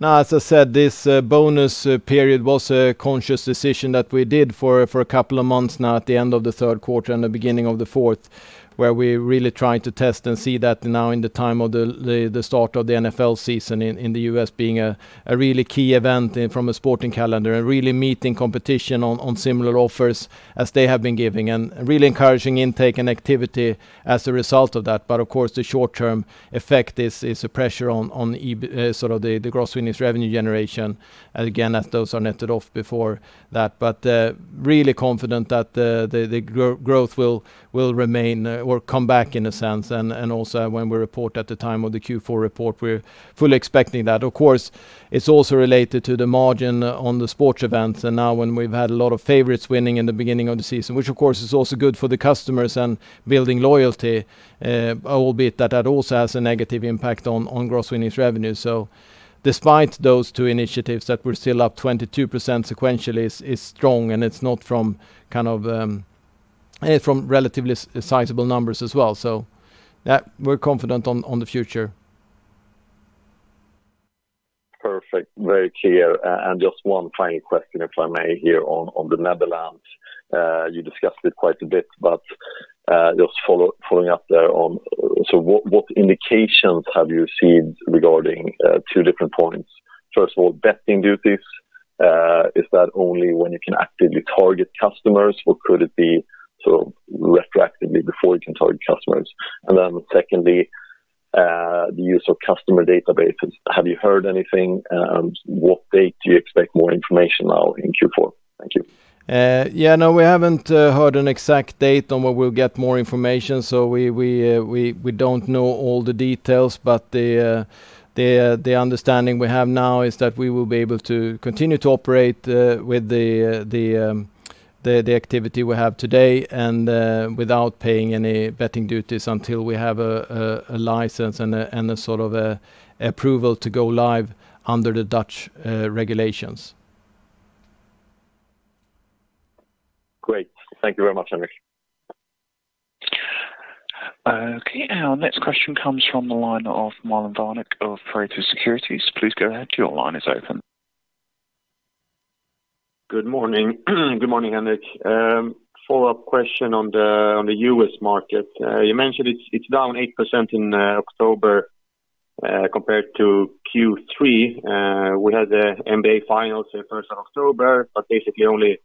As I said, this bonus period was a conscious decision that we did for a couple of months now at the end of the third quarter and the beginning of the fourth, where we really tried to test and see that now in the time of the start of the NFL season in the U.S. being a really key event from a sporting calendar and really meeting competition on similar offers as they have been giving and really encouraging intake and activity as a result of that. Of course, the short-term effect is a pressure on sort of the gross winnings revenue generation, again, as those are netted off before that. Really confident that the growth will remain or come back in a sense. Also when we report at the time of the Q4 report, we're fully expecting that. Of course, it's also related to the margin on the sports events. Now when we've had a lot of favorites winning in the beginning of the season, which of course is also good for the customers and building loyalty, albeit that that also has a negative impact on gross winnings revenue. Despite those two initiatives that we're still up 22% sequentially is strong, and it's from relatively sizable numbers as well. Yeah, we're confident on the future. Perfect. Very clear. Just one final question, if I may here on the Netherlands. You discussed it quite a bit, but just following up there on, what indications have you seen regarding two different points? First of all, betting duties, is that only when you can actively target customers, or could it be sort of retroactively before you can target customers? Then secondly, the use of customer databases. Have you heard anything? What date do you expect more information now in Q4? Thank you. Yeah, no, we haven't heard an exact date on when we'll get more information. We don't know all the details, but the understanding we have now is that we will be able to continue to operate with the activity we have today and without paying any betting duties until we have a license and a sort of approval to go live under the Dutch regulations. Great. Thank you very much, Henrik. Okay, our next question comes from the line of Marlon Värnik of Pareto Securities. Please go ahead. Your line is open. Good morning. Good morning, Henrik. Follow-up question on the U.S. market. You mentioned it's down 8% in October compared to Q3. We had the NBA finals the 1st of October, but basically only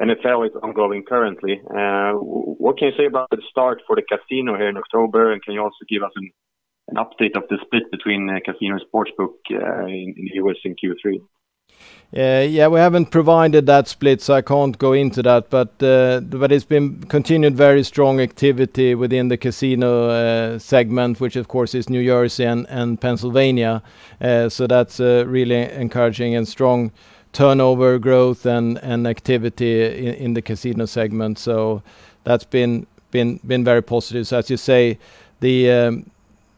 NFL is ongoing currently. What can you say about the start for the casino here in October? Can you also give us an update of the split between casino and sportsbook in U.S. in Q3? Yeah, we haven't provided that split. I can't go into that. It's been continued very strong activity within the casino segment, which of course is New Jersey and Pennsylvania. That's really encouraging and strong turnover growth and activity in the casino segment. That's been very positive. As you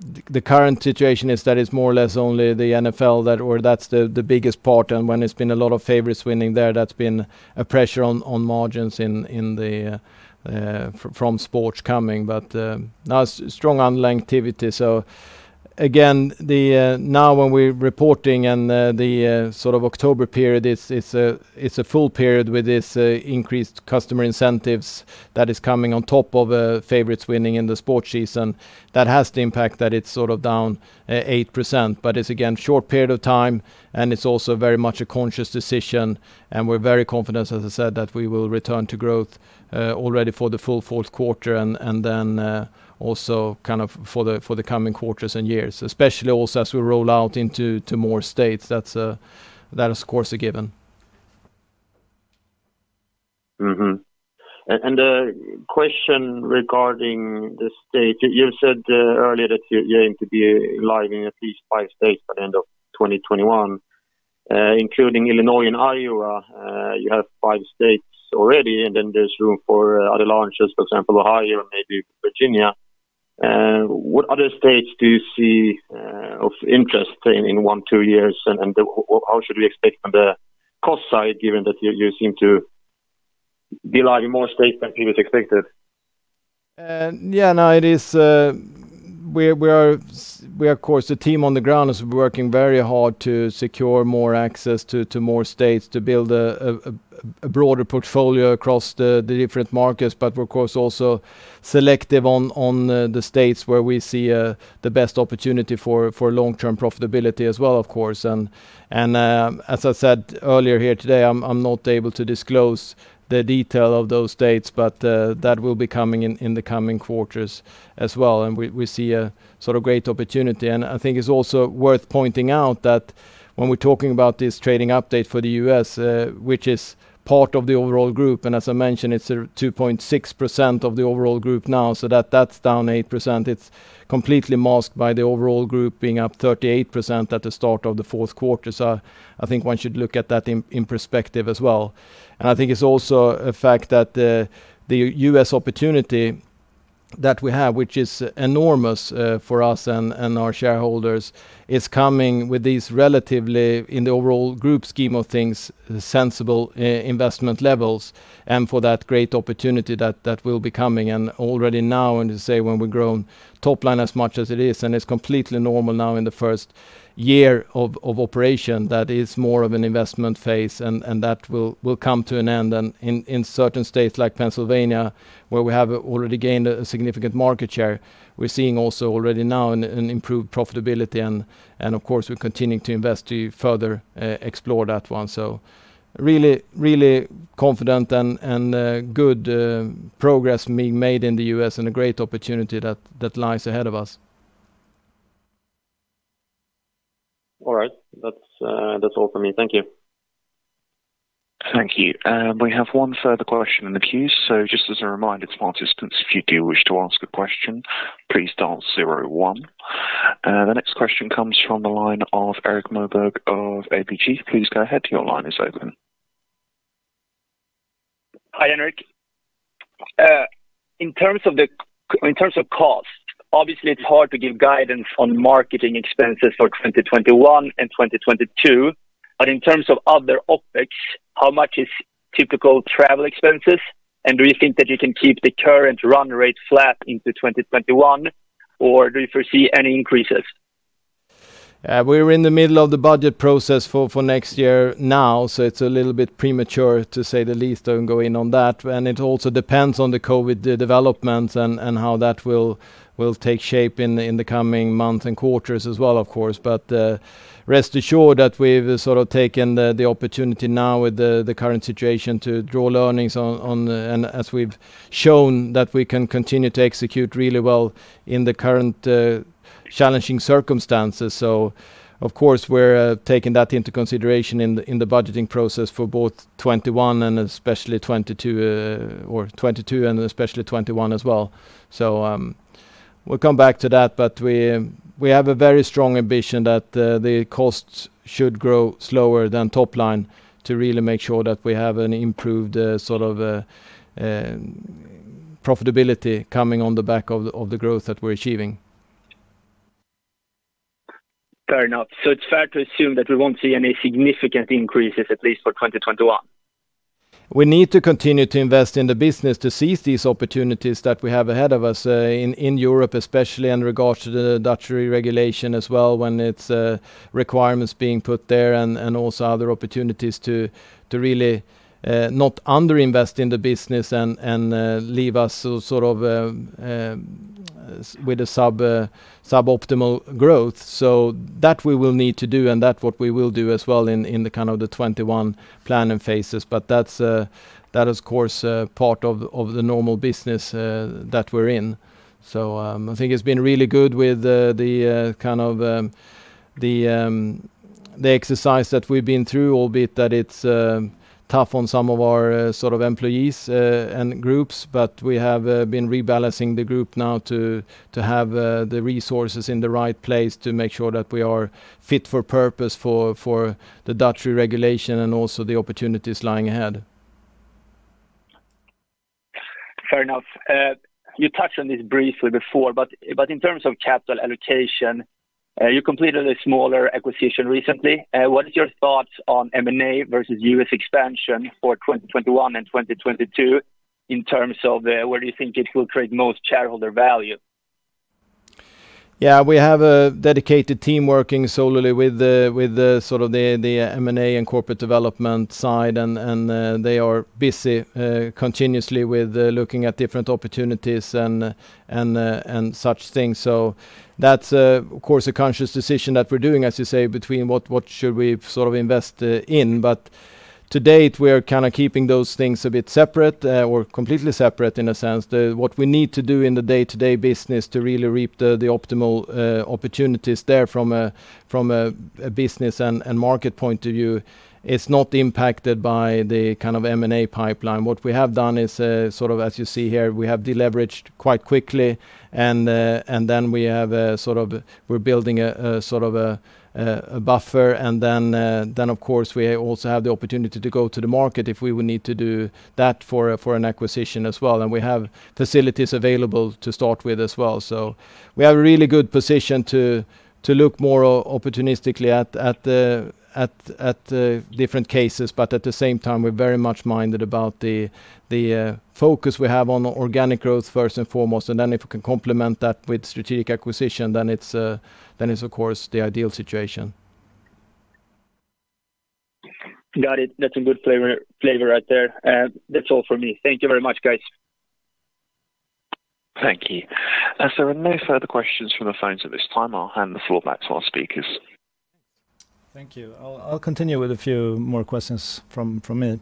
say, the current situation is that it's more or less only the NFL that's the biggest part. When it's been a lot of favorites winning there, that's been a pressure on margins from sports coming. No, strong online activity. Again, now when we're reporting and the sort of October period, it's a full period with this increased customer incentives that is coming on top of favorites winning in the sports season. That has the impact that it's sort of down 8%. It's again, short period of time, and it's also very much a conscious decision, and we're very confident, as I said, that we will return to growth already for the full fourth quarter and then also kind of for the coming quarters and years, especially also as we roll out into more states. That is of course a given. Mm-hmm. A question regarding the state. You said earlier that you aim to be live in at least five states by the end of 2021 including Illinois and Iowa. You have five states already, and then there's room for other launches, for example, Ohio, maybe Virginia. What other states do you see of interest in one, two years? How should we expect on the cost side, given that you seem to be live in more states than he was expected. Yeah. The team on the ground is working very hard to secure more access to more states to build a broader portfolio across the different markets. We're, of course, also selective on the states where we see the best opportunity for long-term profitability as well, of course. As I said earlier here today, I'm not able to disclose the detail of those dates, but that will be coming in the coming quarters as well. We see a great opportunity. I think it's also worth pointing out that when we're talking about this trading update for the U.S., which is part of the overall group, and as I mentioned, it's 2.6% of the overall group now, so that's down 8%. It's completely masked by the overall group being up 38% at the start of the fourth quarter. I think one should look at that in perspective as well. I think it's also a fact that the U.S. opportunity that we have, which is enormous for us and our shareholders, is coming with these relatively, in the overall group scheme of things, sensible investment levels and for that great opportunity that will be coming. Already now, when we've grown top line as much as it is, and it's completely normal now in the first year of operation, that is more of an investment phase and that will come to an end. In certain states like Pennsylvania, where we have already gained a significant market share, we're seeing also already now an improved profitability, and of course, we're continuing to invest to further explore that one. Really confident and good progress being made in the U.S. and a great opportunity that lies ahead of us. All right. That's all for me. Thank you. Thank you. We have one further question in the queue. Just as a reminder to participants, if you do wish to ask a question, please dial zero one. The next question comes from the line of Erik Moberg of ABG. Please go ahead. Your line is open. Hi, Henrik. In terms of cost, obviously it's hard to give guidance on marketing expenses for 2021 and 2022. In terms of other OpEx, how much is typical travel expenses? Do you think that you can keep the current run rate flat into 2021? Do you foresee any increases? We're in the middle of the budget process for next year now, so it's a little bit premature, to say the least, to go in on that. It also depends on the COVID developments and how that will take shape in the coming months and quarters as well, of course. Rest assured that we've taken the opportunity now with the current situation to draw learnings, and as we've shown that we can continue to execute really well in the current challenging circumstances. Of course, we're taking that into consideration in the budgeting process for both 2021 and especially 2022, or 2022 and especially 2021 as well. We'll come back to that. We have a very strong ambition that the costs should grow slower than top line to really make sure that we have an improved profitability coming on the back of the growth that we're achieving. Fair enough. It's fair to assume that we won't see any significant increases, at least for 2021? We need to continue to invest in the business to seize these opportunities that we have ahead of us in Europe, especially in regards to the Dutch regulation as well, when its requirements being put there and also other opportunities to really not under-invest in the business and leave us with a sub-optimal growth. That we will need to do, and that what we will do as well in the 2021 planning phases. That's of course part of the normal business that we're in. I think it's been really good with the exercise that we've been through, albeit that it's tough on some of our employees and groups. We have been rebalancing the group now to have the resources in the right place to make sure that we are fit for purpose for the Dutch regulation and also the opportunities lying ahead. Fair enough. You touched on this briefly before, in terms of capital allocation, you completed a smaller acquisition recently. What is your thoughts on M&A versus U.S. expansion for 2021 and 2022 in terms of where you think it will create most shareholder value? Yeah. We have a dedicated team working solely with the M&A and corporate development side. They are busy continuously with looking at different opportunities and such things. That's, of course, a conscious decision that we're doing, as you say, between what should we invest in. To date, we're keeping those things a bit separate, or completely separate in a sense. What we need to do in the day-to-day business to really reap the optimal opportunities there from a business and market point of view is not impacted by the M&A pipeline. What we have done is, as you see here, we have deleveraged quite quickly, and then we're building a buffer. Of course, we also have the opportunity to go to the market if we would need to do that for an acquisition as well. We have facilities available to start with as well. We have a really good position to look more opportunistically at the different cases. At the same time, we're very much minded about the focus we have on organic growth first and foremost, and then if we can complement that with strategic acquisition, then it's of course the ideal situation. Got it. That's a good flavor right there. That's all from me. Thank you very much, guys. Thank you. As there are no further questions from the phones at this time, I will hand the floor back to our speakers. Thank you. I'll continue with a few more questions from me.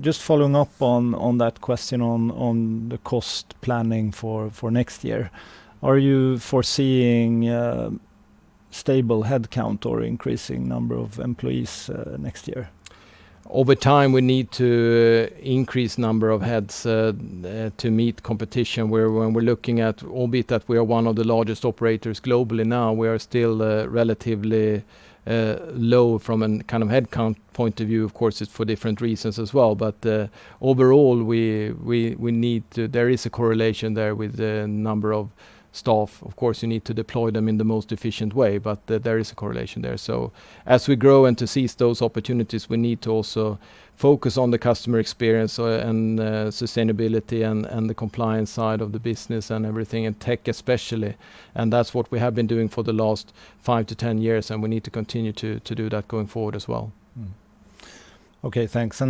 Just following up on that question on the cost planning for next year. Are you foreseeing a stable headcount or increasing number of employees next year? Over time, we need to increase number of heads to meet competition where when we're looking at, albeit that we are one of the largest operators globally now, we are still relatively low from a headcount point of view. Of course, it's for different reasons as well. Overall, there is a correlation there with the number of staff. Of course, you need to deploy them in the most efficient way, but there is a correlation there. As we grow and to seize those opportunities, we need to also focus on the customer experience and sustainability and the compliance side of the business and everything, and tech especially. That's what we have been doing for the last 5 to 10 years, and we need to continue to do that going forward as well. Okay, thanks.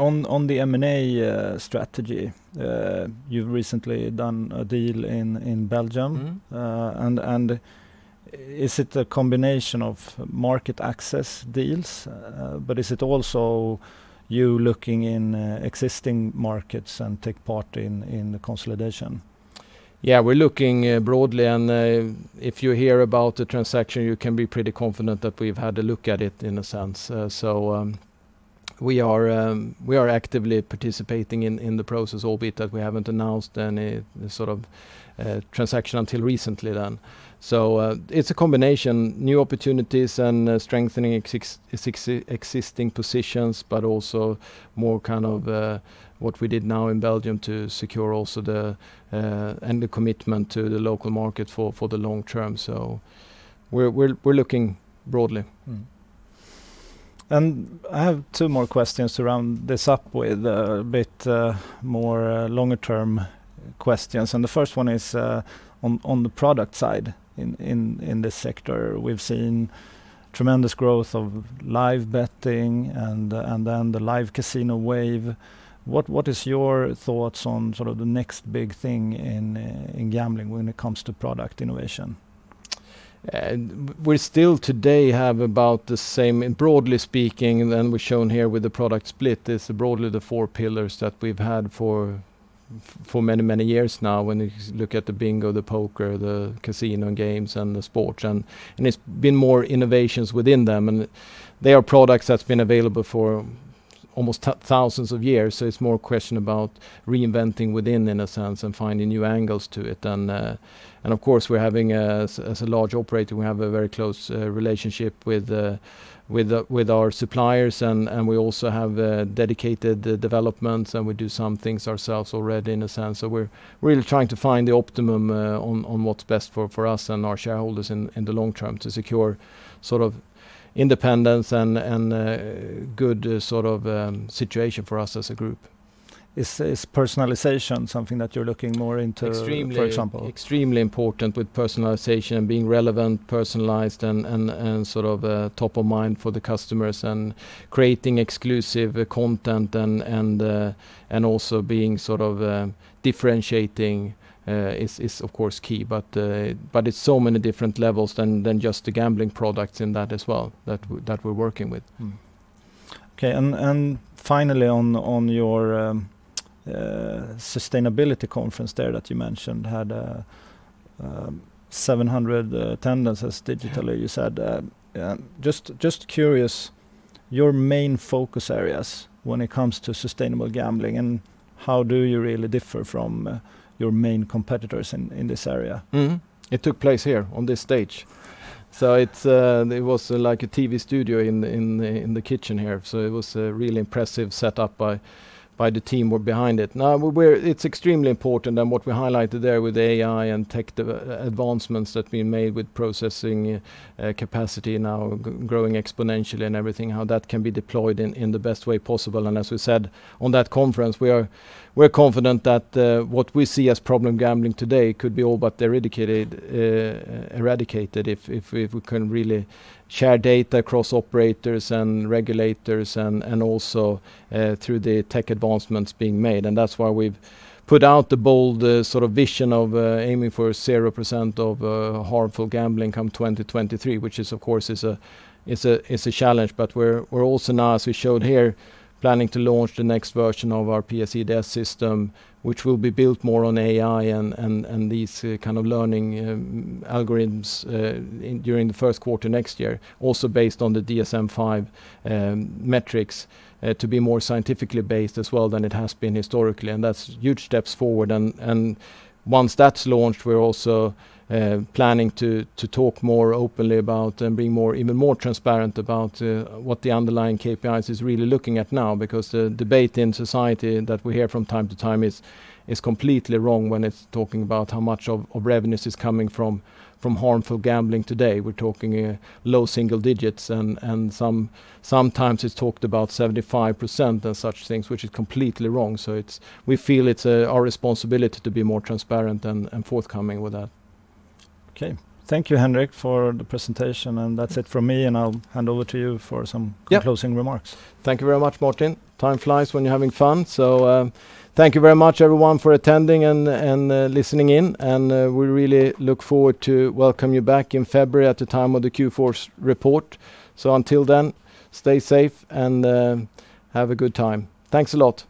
On the M&A strategy, you've recently done a deal in Belgium. Is it a combination of market access deals, but is it also you looking in existing markets and take part in the consolidation? Yeah, we're looking broadly. If you hear about the transaction, you can be pretty confident that we've had a look at it in a sense. We are actively participating in the process, albeit that we haven't announced any sort of transaction until recently then. It's a combination, new opportunities and strengthening existing positions, also more what we did now in Belgium to secure also the commitment to the local market for the long term. We're looking broadly. I have two more questions to round this up with, a bit more longer-term questions. The first one is on the product side in this sector. We’ve seen tremendous growth of live betting and then the live casino wave. What is your thoughts on sort of the next big thing in gambling when it comes to product innovation? We still today have about the same, broadly speaking, than we've shown here with the product split. It's broadly the four pillars that we've had for many years now. When you look at the bingo, the poker, the casino games, and the sports, it's been more innovations within them. They are products that's been available for almost thousands of years, so it's more a question about reinventing within, in a sense, and finding new angles to it. Of course, as a large operator, we have a very close relationship with our suppliers, and we also have dedicated developments, and we do some things ourselves already in a sense. We're really trying to find the optimum on what's best for us and our shareholders in the long term to secure sort of independence and good sort of situation for us as a group. Is personalization something that you're looking more into? Extremely- for example? Extremely important with personalization and being relevant, personalized, and sort of top of mind for the customers and creating exclusive content and also being sort of differentiating is of course key. It's so many different levels than just the gambling products in that as well that we're working with. Okay, finally, on your Sustainable Gambling Conference there that you mentioned had 700 attendances digitally, you said. Just curious, your main focus areas when it comes to sustainable gambling, how do you really differ from your main competitors in this area? Mm-hmm. It took place here on this stage. It was like a TV studio in the kitchen here. It was a really impressive setup by the team who were behind it. It's extremely important, and what we highlighted there with AI and tech advancements that we made with processing capacity now growing exponentially and everything, how that can be deployed in the best way possible. As we said on that conference, we're confident that what we see as problem gambling today could be all but eradicated if we can really share data across operators and regulators and also through the tech advancements being made. That's why we've put out the bold sort of vision of aiming for 0% of harmful gambling come 2023, which of course is a challenge. We're also now, as we showed here, planning to launch the next version of our PS-EDS system, which will be built more on AI and these kind of learning algorithms during the first quarter next year. Based on the DSM-5 metrics to be more scientifically based as well than it has been historically, that's huge steps forward. Once that's launched, we're also planning to talk more openly about and being even more transparent about what the underlying KPIs is really looking at now. The debate in society that we hear from time to time is completely wrong when it's talking about how much of revenues is coming from harmful gambling today. We're talking low single digits and sometimes it's talked about 75% and such things, which is completely wrong. We feel it's our responsibility to be more transparent and forthcoming with that. Okay. Thank you, Henrik, for the presentation, and that's it from me, and I'll hand over to you. Yeah For some closing remarks. Thank you very much, Martin. Time flies when you're having fun. Thank you very much, everyone, for attending and listening in. We really look forward to welcome you back in February at the time of the Q4 report. Until then, stay safe and have a good time. Thanks a lot.